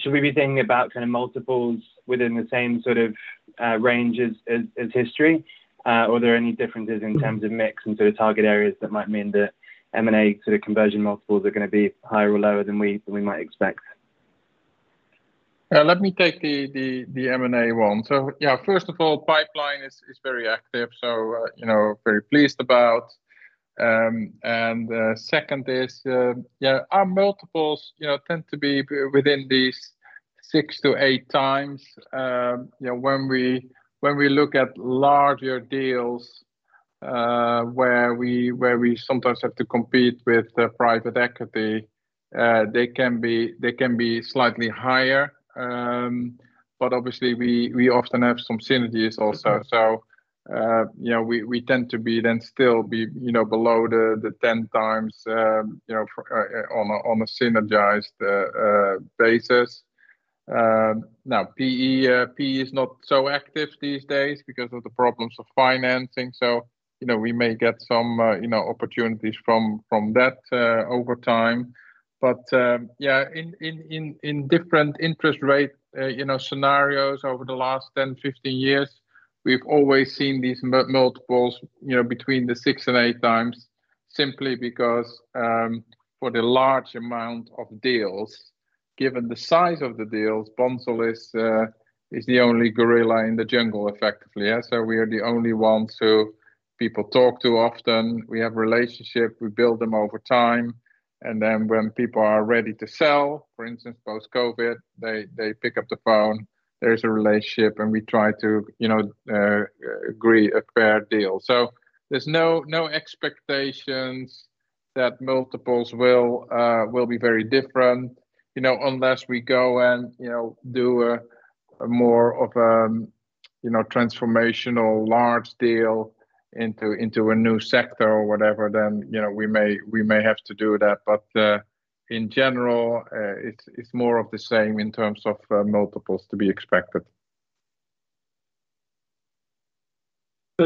should we be thinking about kind of multiples within the same sort of range as history? Are there any differences in terms of mix and sort of target areas that might mean the M&A sort of conversion multiples are gonna be higher or lower than we might expect? Let me take the M&A one. So, yeah, first of all, pipeline is very active, so, you know, very pleased about. And second is, yeah, our multiples, you know, tend to be within these 6x-8x. You know, when we, when we look at larger deals, where we, where we sometimes have to compete with the private equity, they can be, they can be slightly higher. But obviously, we, we often have some synergies also. So, you know, we, we tend to then still be, you know, below the 10x, you know, for, on a, on a synergized basis. Now, PPE, PPE is not so active these days because of the problems of financing. So, you know, we may get some, you know, opportunities from, from that, over time. But, yeah, in different interest rate, you know, scenarios over the last 10, 15 years, we've always seen these multiples, you know, between 6x and 8x, simply because, for the large number of deals, given the size of the deals, Bunzl is the only gorilla in the jungle, effectively, yeah? So, we are the only ones who people talk to often. We have relationship, we build them over time, and then when people are ready to sell, for instance, post-COVID, they pick up the phone. There is a relationship, and we try to, you know, agree a fair deal. So, there's no expectations that multiples will be very different. You know, unless we go and, you know, do a more of a, you know, transformational large deal into a new sector or whatever, then, you know, we may have to do that. But in general, it's more of the same in terms of multiples to be expected.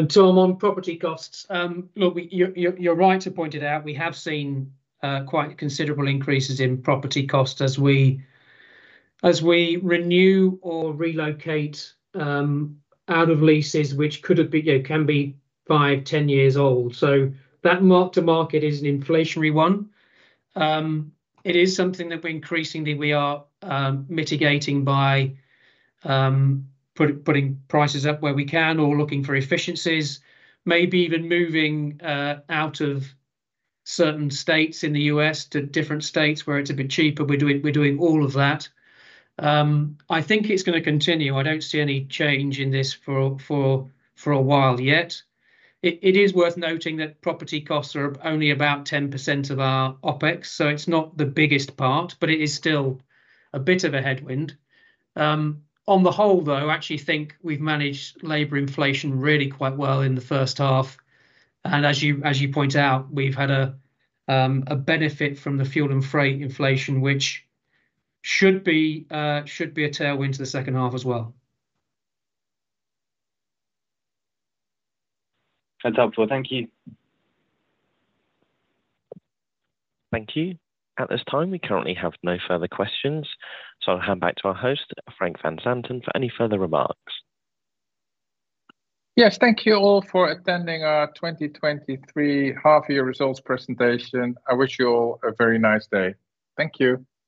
Tom, on property costs, look, you're right to point it out. We have seen quite considerable increases in property costs as we renew or relocate out of leases, which could have been, you know, can be five, 10 years old. So that mark to market is an inflationary one. It is something that we increasingly are mitigating by putting prices up where we can or looking for efficiencies. Maybe even moving out of certain states in the US to different states where it's a bit cheaper. We're doing all of that. I think it's gonna continue. I don't see any change in this for a while yet. It is worth noting that property costs are only about 10% of our OpEx, so it's not the biggest part, but it is still a bit of a headwind. On the whole, though, I actually think we've managed labor inflation really quite well in the first half, and as you point out, we've had a benefit from the fuel and freight inflation, which should be a tailwind to the second half as well. That's helpful. Thank you. Thank you. At this time, we currently have no further questions, so I'll hand back to our host, Frank van Zanten, for any further remarks. Yes, thank you all for attending our 2023 half year results presentation. I wish you all a very nice day. Thank you.